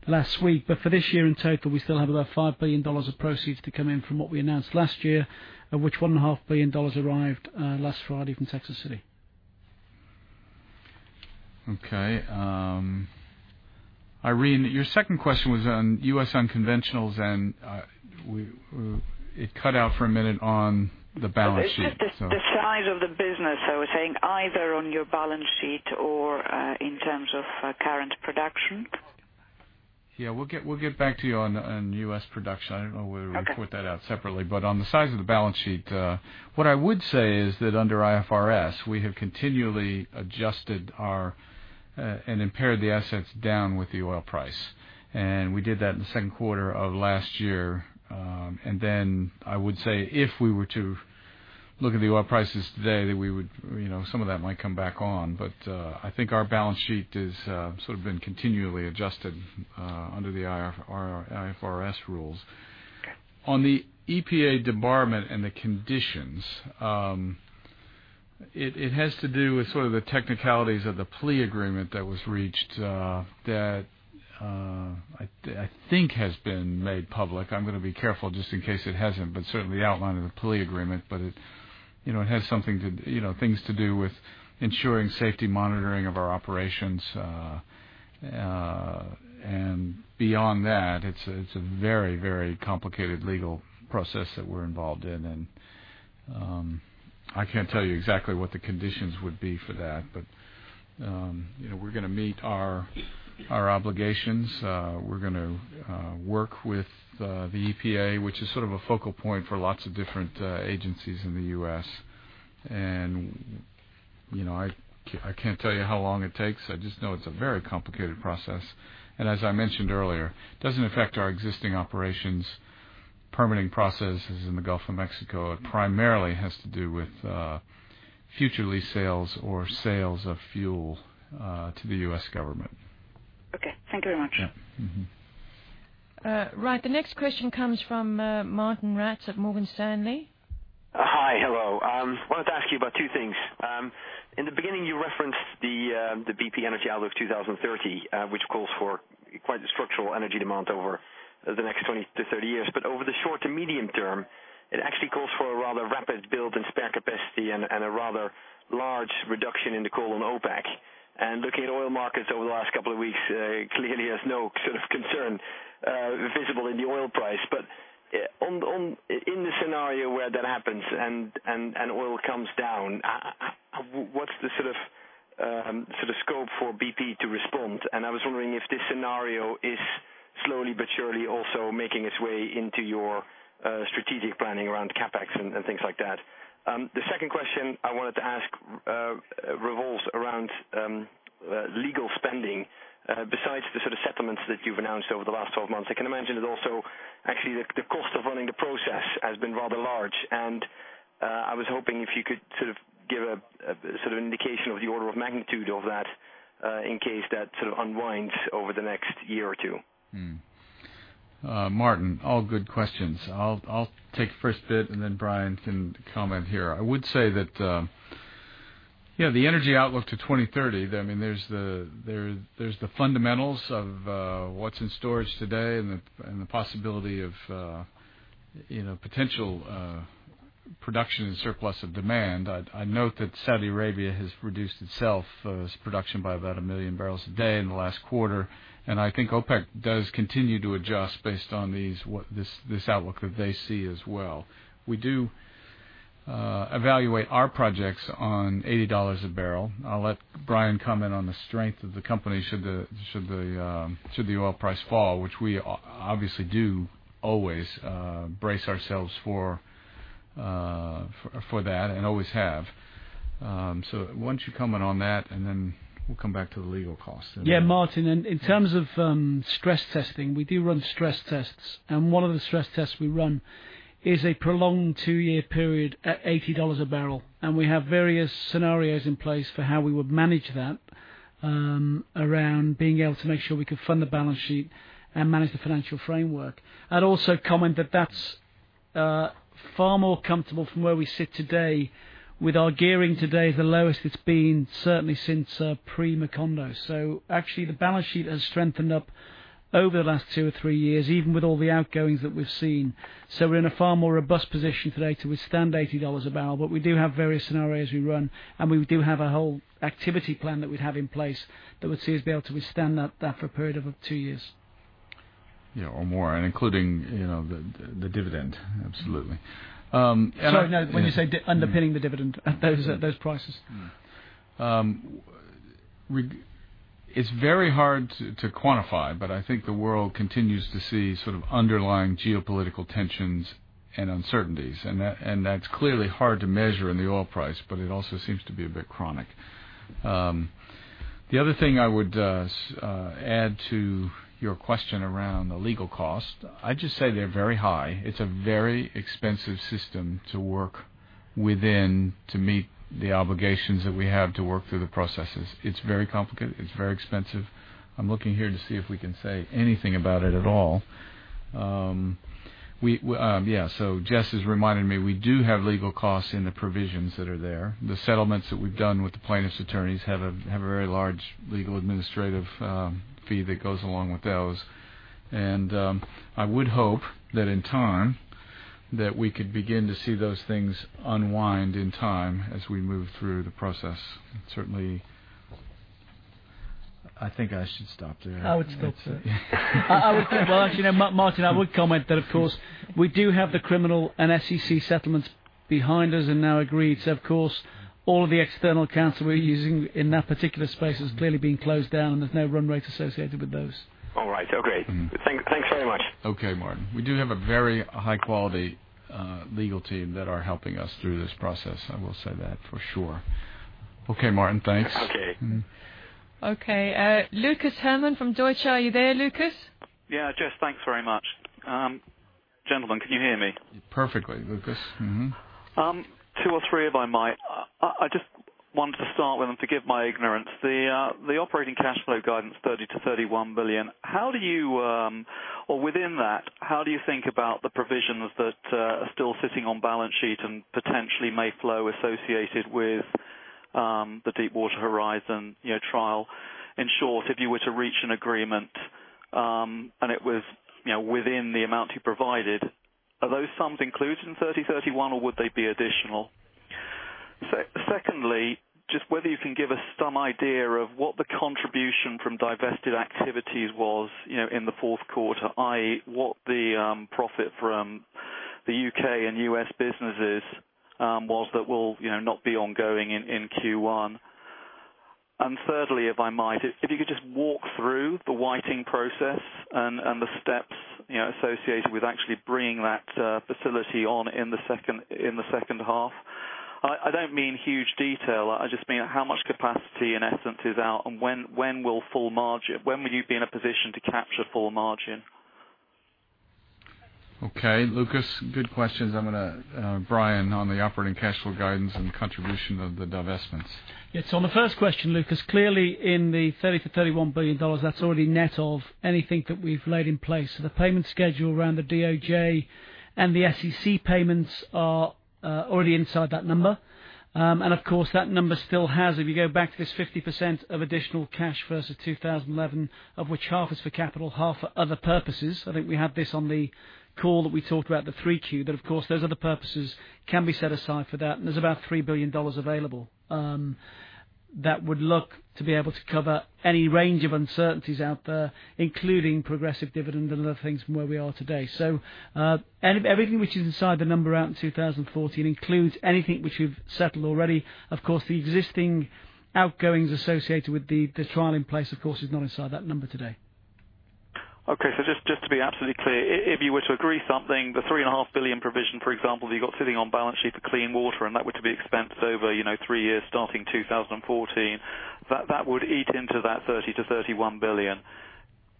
last week. For this year in total, we still have about $5 billion of proceeds to come in from what we announced last year, of which $1.5 billion arrived last Friday from Texas City. Okay. Irene, your second question was on U.S. unconventionals, it cut out for a minute on the balance sheet. The size of the business, I was saying, either on your balance sheet or in terms of current production. Yeah. We'll get back to you on U.S. production. I don't know whether we put that out separately. Okay. On the size of the balance sheet, what I would say is that under IFRS, we have continually adjusted our, and impaired the assets down with the oil price. We did that in the second quarter of last year. Then I would say if we were to look at the oil prices today, some of that might come back on. I think our balance sheet has sort of been continually adjusted under the IFRS rules. Okay. The EPA debarment and the conditions, it has to do with sort of the technicalities of the plea agreement that was reached that I think has been made public. I'm going to be careful just in case it hasn't, but certainly outlined in the plea agreement, but it has things to do with ensuring safety monitoring of our operations. Beyond that, it's a very complicated legal process that we're involved in. I can't tell you exactly what the conditions would be for that. We're going to meet our obligations. We're going to work with the EPA, which is sort of a focal point for lots of different agencies in the U.S. I can't tell you how long it takes. I just know it's a very complicated process. As I mentioned earlier, doesn't affect our existing operations. Permitting processes in the Gulf of Mexico primarily has to do with future lease sales or sales of fuel to the U.S. government. Okay. Thank you very much. Yeah. Mm-hmm. Right. The next question comes from Martijn Rats at Morgan Stanley. Hi. Hello. I wanted to ask you about two things. In the beginning, you referenced the BP Energy Outlook 2030, which calls for quite a structural energy demand over the next 20 to 30 years. Over the short to medium term, it actually calls for a rather rapid build in spare capacity and a rather large reduction in the call on OPEC. Looking at oil markets over the last couple of weeks, clearly has no sort of concern visible in the oil price. In the scenario where that happens and oil comes down, what's the sort of scope for BP to respond? I was wondering if this scenario is slowly but surely also making its way into your strategic planning around CapEx and things like that. The second question I wanted to ask revolves around legal spending. Besides the sort of settlements that you've announced over the last 12 months, I can imagine that also actually the cost of running the process has been rather large. I was hoping if you could sort of give a sort of indication of the order of magnitude of that, in case that sort of unwinds over the next year or two. Martijn, all good questions. I'll take the first bit, and then Brian can comment here. I would say that the Energy Outlook to 2030, there's the fundamentals of what's in storage today and the possibility of potential production and surplus of demand. I'd note that Saudi Arabia has reduced itself, its production by about 1 million barrels a day in the last quarter. I think OPEC does continue to adjust based on this outlook that they see as well. We do evaluate our projects on $80 a barrel. I'll let Brian comment on the strength of the company should the oil price fall, which we obviously do always brace ourselves for that and always have. Why don't you comment on that, and then we'll come back to the legal cost. Yeah. Martijn, in terms of stress testing, we do run stress tests. One of the stress tests we run is a prolonged two-year period at $80 a barrel. We have various scenarios in place for how we would manage that, around being able to make sure we could fund the balance sheet and manage the financial framework. I'd also comment that that's far more comfortable from where we sit today with our gearing today the lowest it's been certainly since pre-Macondo. Actually, the balance sheet has strengthened up over the last two or three years, even with all the outgoings that we've seen. We're in a far more robust position today to withstand $80 a barrel. We do have various scenarios we run, and we do have a whole activity plan that we'd have in place that would see us be able to withstand that for a period of up to two years. Yeah, or more, and including the dividend. Absolutely. Sorry, no. When you say underpinning the dividend, those prices. It's very hard to quantify. I think the world continues to see underlying geopolitical tensions and uncertainties. That's clearly hard to measure in the oil price, but it also seems to be a bit chronic. The other thing I would add to your question around the legal cost, I'd just say they're very high. It's a very expensive system to work within to meet the obligations that we have to work through the processes. It's very complicated. It's very expensive. I'm looking here to see if we can say anything about it at all. Yeah, so Jess is reminding me, we do have legal costs in the provisions that are there. The settlements that we've done with the plaintiffs' attorneys have a very large legal administrative fee that goes along with those. I would hope that in time, that we could begin to see those things unwind in time as we move through the process. Certainly, I think I should stop there. I would stop there. Well, actually, no, Martin, I would comment that, of course, we do have the criminal and SEC settlements behind us and now agreed. Of course, all of the external counsel we're using in that particular space has clearly been closed down. There's no run rate associated with those. All right. Okay. Thanks very much. Okay, Martijn. We do have a very high-quality legal team that are helping us through this process, I will say that for sure. Okay, Martijn, thanks. Okay. Okay. Lucas Herrmann from Deutsche. Are you there, Lucas? Yeah, Jess, thanks very much. Gentlemen, can you hear me? Perfectly, Lucas. Two or three, if I might. I just wanted to start with, forgive my ignorance. The operating cash flow guidance, 30 billion-31 billion. Within that, how do you think about the provisions that are still sitting on balance sheet and potentially may flow associated with the Deepwater Horizon trial? In short, if you were to reach an agreement, and it was within the amount you provided, are those sums included in 30 billion, 31 billion, or would they be additional? Secondly, just whether you can give us some idea of what the contribution from divested activities was in the fourth quarter, i.e., what the profit from the U.K. and U.S. businesses was that will not be ongoing in Q1. Thirdly, if I might, if you could just walk through the Whiting process and the steps associated with actually bringing that facility on in the second half. I don't mean huge detail. I just mean how much capacity, in essence, is out, and when will you be in a position to capture full margin? Okay. Lucas, good questions. I'm going to Brian on the operating cash flow guidance and contribution of the divestments. Yes. On the first question, Lucas, clearly in the GBP 30 billion-GBP 31 billion, that's already net of anything that we've laid in place. The payment schedule around the DOJ and the SEC payments are already inside that number. Of course, that number still has, if you go back to this 50% of additional cash versus 2011, of which half is for capital, half for other purposes. I think we had this on the call that we talked about the 3Q. Of course, those other purposes can be set aside for that, and there's about GBP 3 billion available that would look to be able to cover any range of uncertainties out there, including progressive dividend and other things from where we are today. Everything which is inside the number out in 2014 includes anything which we've settled already. The existing outgoings associated with the trial in place, of course, is not inside that number today. Okay. Just to be absolutely clear, if you were to agree something, the $3.5 billion provision, for example, you got sitting on balance sheet for clean water, and that were to be expensed over three years starting 2014. That would eat into that $30 billion-$31 billion?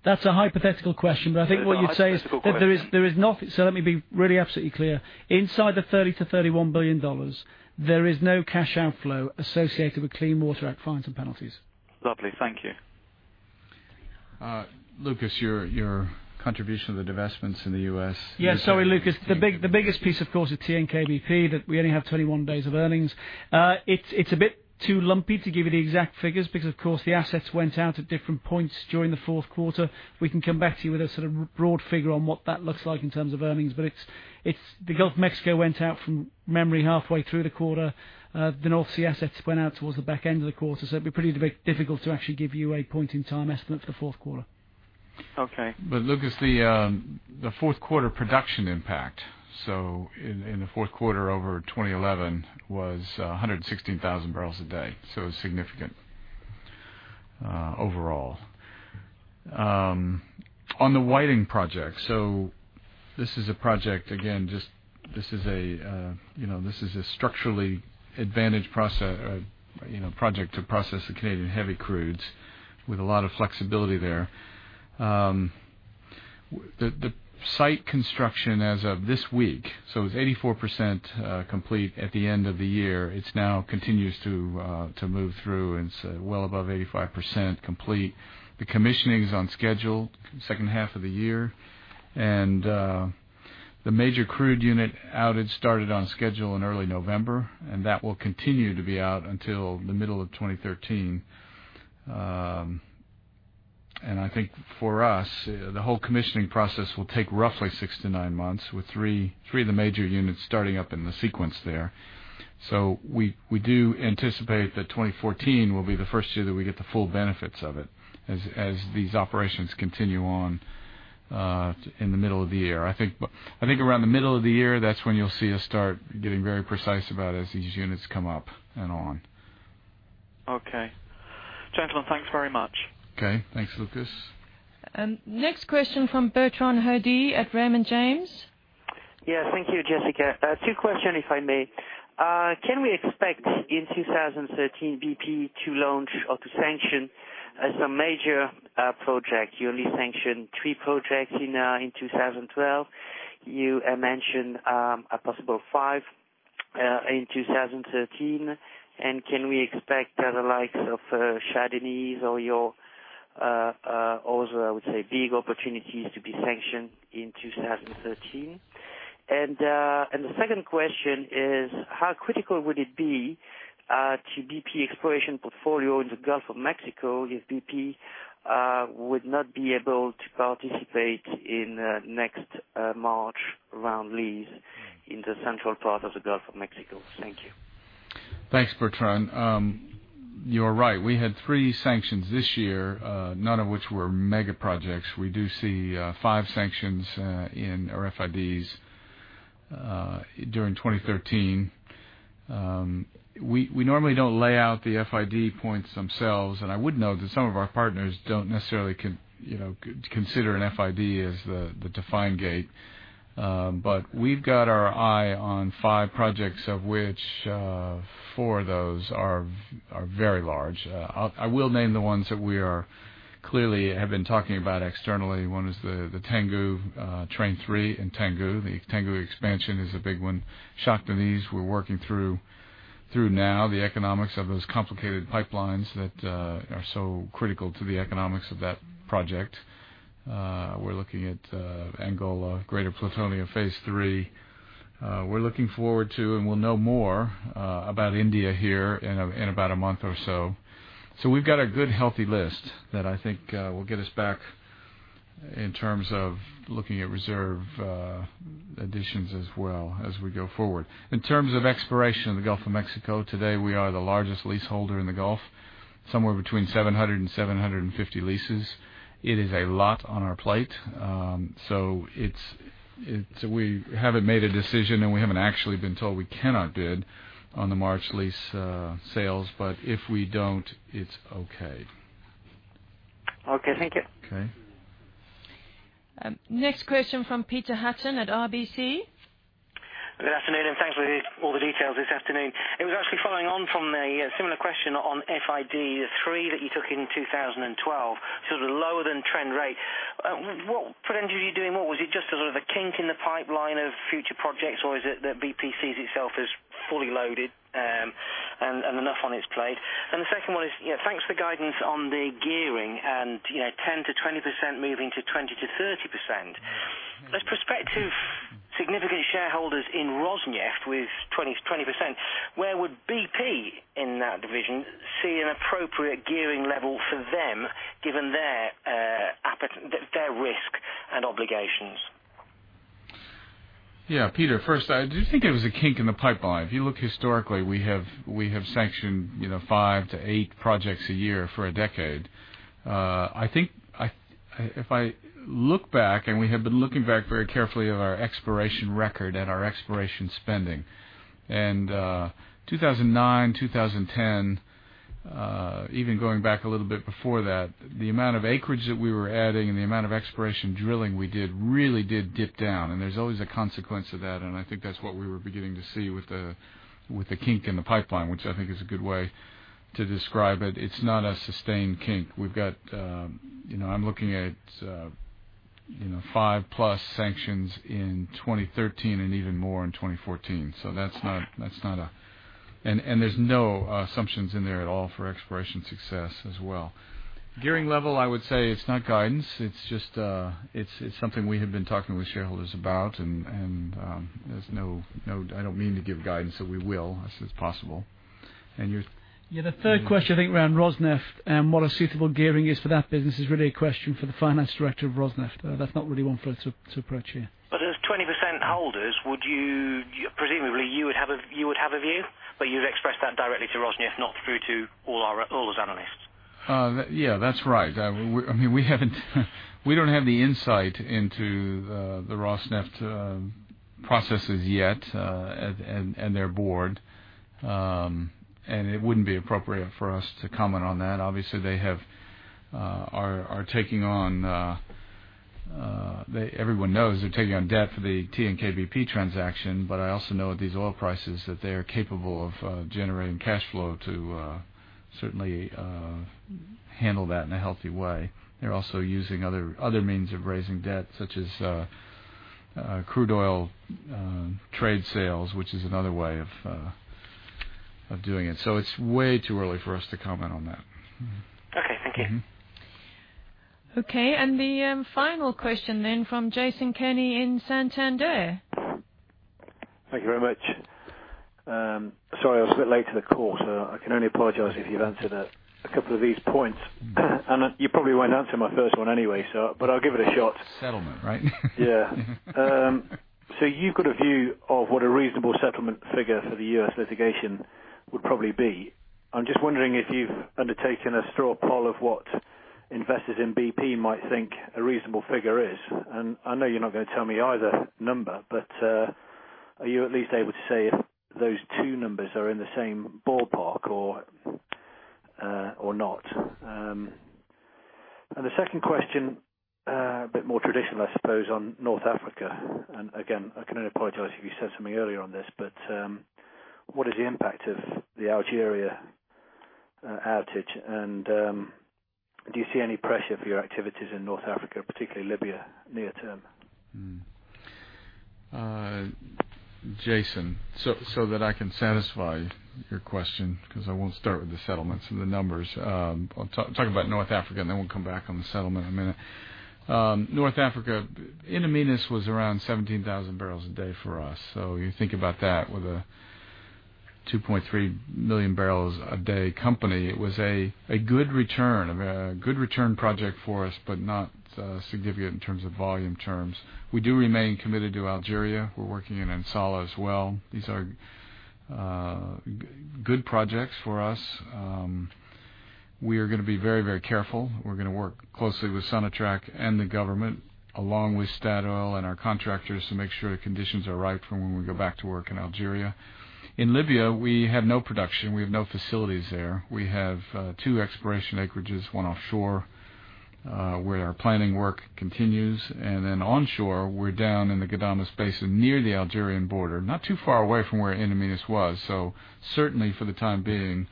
That's a hypothetical question, but I think what you'd say is. It's a hypothetical question. let me be really absolutely clear. Inside the $30 billion-$31 billion, there is no cash outflow associated with Clean Water Act fines and penalties. Lovely. Thank you. Lucas, your contribution to the divestments in the U.S. Yeah. Sorry, Lucas. The biggest piece, of course, is TNK-BP that we only have 21 days of earnings. It's a bit too lumpy to give you the exact figures because, of course, the assets went out at different points during the fourth quarter. We can come back to you with a sort of broad figure on what that looks like in terms of earnings. The Gulf of Mexico went out from memory halfway through the quarter. The North Sea assets went out towards the back end of the quarter. It'd be pretty difficult to actually give you a point-in-time estimate for the fourth quarter. Okay. Lucas, the fourth quarter production impact. In the fourth quarter over 2011 was 116,000 barrels a day. It's significant overall. On the Whiting project. This is a project, again, this is a structurally advantaged project to process the Canadian heavy crudes with a lot of flexibility there. The site construction as of this week, it was 84% complete at the end of the year. It now continues to move through, and it's well above 85% complete. The commissioning is on schedule, second half of the year. The major crude unit outage started on schedule in early November, and that will continue to be out until the middle of 2013. I think for us, the whole commissioning process will take roughly 6-9 months, with 3 of the major units starting up in the sequence there. We do anticipate that 2014 will be the first year that we get the full benefits of it, as these operations continue on in the middle of the year. I think around the middle of the year, that's when you'll see us start getting very precise about as these units come up and on. Okay. Gentlemen, thanks very much. Okay. Thanks, Lucas. Next question from Bertrand Hardy at Raymond James. Yes. Thank you, Jessica. Two question, if I may. Can we expect in 2013 BP to launch or to sanction some major project? You only sanctioned three projects in 2012. You mentioned a possible five in 2013. Can we expect the likes of Shah Deniz or your other, I would say, big opportunities to be sanctioned in 2013? The second question is, how critical would it be to BP exploration portfolio in the Gulf of Mexico if BP would not be able to participate in next March round lease in the central part of the Gulf of Mexico? Thank you. Thanks, Bertrand. You're right. We had three sanctions this year, none of which were mega projects. We do see five sanctions in our FIDs during 2013. We normally don't lay out the FID points themselves, I would note that some of our partners don't necessarily consider an FID as the defined gate. We've got our eye on five projects, of which four of those are very large. I will name the ones that we clearly have been talking about externally. One is the Tangguh Train 3 in Tangguh. The Tangguh expansion is a big one. Shah Deniz, we're working through now the economics of those complicated pipelines that are so critical to the economics of that project. We're looking at Angola Greater Plutonio Phase 3. We're looking forward to, and we'll know more about India here in about a month or so. We've got a good, healthy list that I think will get us back in terms of looking at reserve additions as well as we go forward. In terms of exploration in the Gulf of Mexico, today, we are the largest leaseholder in the Gulf, somewhere between 700 and 750 leases. It is a lot on our plate. We haven't made a decision, and we haven't actually been told we cannot bid on the March lease sales. If we don't, it's okay. Okay. Thank you. Okay. Next question from Peter Hutton at RBC. Good afternoon, thanks for all the details this afternoon. It was actually following on from a similar question on FID, the three that you took in 2012, sort of lower than trend rate. What prevented you doing more? Was it just a sort of a kink in the pipeline of future projects, or is it that BP sees itself as fully loaded and enough on its plate? The second one is, thanks for guidance on the gearing and 10%-20% moving to 20%-30%. As prospective significant shareholders in Rosneft with 20%, where would BP in that division see an appropriate gearing level for them, given their risk and obligations? Yeah, Peter, first, I do think it was a kink in the pipeline. If you look historically, we have sanctioned five to eight projects a year for a decade. I think if I look back, we have been looking back very carefully at our exploration record and our exploration spending. 2009, 2010, even going back a little bit before that, the amount of acreage that we were adding and the amount of exploration drilling we did really did dip down, there's always a consequence of that, and I think that's what we were beginning to see with the kink in the pipeline, which I think is a good way to describe it. It's not a sustained kink. I'm looking at five-plus sanctions in 2013 and even more in 2014. There's no assumptions in there at all for exploration success as well. Gearing level, I would say it's not guidance. It's something we have been talking with shareholders about, I don't mean to give guidance that we will, as is possible. Yeah, the third question, I think, around Rosneft and what a suitable gearing is for that business is really a question for the finance director of Rosneft. That's not really one for us to approach here. As 20% holders, presumably you would have a view, but you would express that directly to Rosneft, not through to all us analysts. Yeah, that's right. We don't have the insight into the Rosneft processes yet and their board. It wouldn't be appropriate for us to comment on that. Obviously everyone knows they're taking on debt for the TNK-BP transaction, I also know at these oil prices that they are capable of generating cash flow to certainly handle that in a healthy way. They're also using other means of raising debt, such as crude oil trade sales, which is another way of doing it. It's way too early for us to comment on that. Okay. Thank you. Okay. The final question then from Jason Kenney in Santander. Thank you very much. Sorry, I was a bit late to the call, so I can only apologize if you've answered a couple of these points. You probably won't answer my first one anyway, but I'll give it a shot. Settlement, right? Yeah. You've got a view of what a reasonable settlement figure for the U.S. litigation would probably be. I'm just wondering if you've undertaken a straw poll of what investors in BP might think a reasonable figure is. I know you're not going to tell me either number, but are you at least able to say if those two numbers are in the same ballpark or not? The second question, a bit more traditional, I suppose, on North Africa. Again, I can only apologize if you said something earlier on this, but what is the impact of the Algeria outage, and do you see any pressure for your activities in North Africa, particularly Libya, near term? Jason, that I can satisfy your question, because I won't start with the settlements and the numbers. I'll talk about North Africa. We'll come back on the settlement in a minute. North Africa, In Amenas was around 17,000 barrels a day for us. You think about that with a 2.3 million barrels a day company, it was a good return project for us, but not significant in terms of volume terms. We do remain committed to Algeria. We're working in In Salah as well. These are good projects for us. We are going to be very careful. We're going to work closely with Sonatrach and the government, along with Statoil and our contractors, to make sure the conditions are right for when we go back to work in Algeria. In Libya, we have no production. We have no facilities there. We have two exploration acreages, one offshore, where our planning work continues. Onshore, we're down in the Ghadames Basin near the Algerian border, not too far away from where In Amenas was. Certainly for the time being,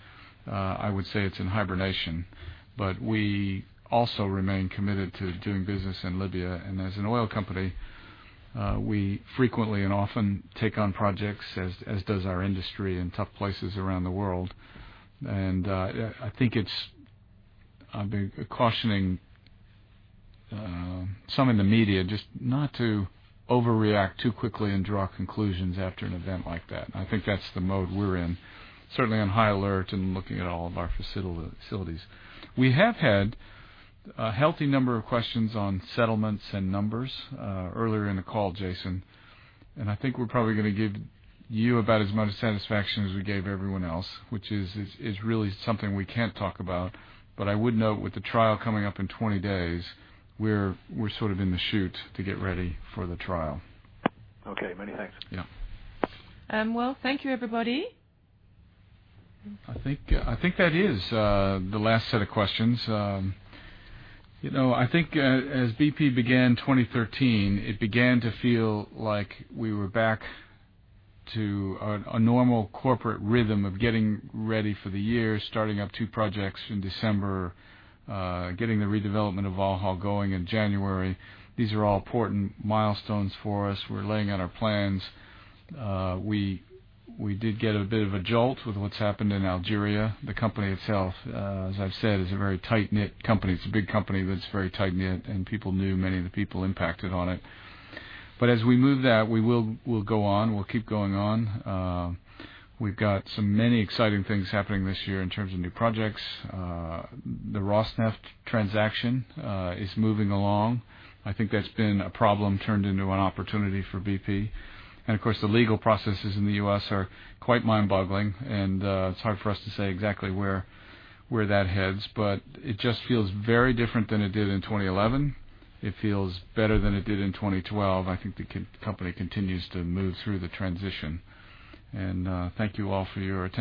I would say it's in hibernation. We also remain committed to doing business in Libya. As an oil company, we frequently and often take on projects, as does our industry, in tough places around the world. I think it's cautioning some in the media just not to overreact too quickly and draw conclusions after an event like that. I think that's the mode we're in, certainly on high alert and looking at all of our facilities. We have had a healthy number of questions on settlements and numbers earlier in the call, Jason. I think we're probably going to give you about as much satisfaction as we gave everyone else, which is really something we can't talk about. I would note with the trial coming up in 20 days, we're sort of in the chute to get ready for the trial. Okay. Many thanks. Yeah. Well, thank you, everybody. I think that is the last set of questions. I think as BP began 2013, it began to feel like we were back to a normal corporate rhythm of getting ready for the year, starting up two projects in December, getting the redevelopment of Valhall going in January. These are all important milestones for us. We're laying out our plans. We did get a bit of a jolt with what's happened in Algeria. The company itself, as I've said, is a very tight-knit company. It's a big company that's very tight-knit, and people knew many of the people impacted on it. As we move that, we'll go on. We'll keep going on. We've got so many exciting things happening this year in terms of new projects. The Rosneft transaction is moving along. I think that's been a problem turned into an opportunity for BP. Of course, the legal processes in the U.S. are quite mind-boggling, and it's hard for us to say exactly where that heads, but it just feels very different than it did in 2011. It feels better than it did in 2012. I think the company continues to move through the transition. Thank you all for your attention.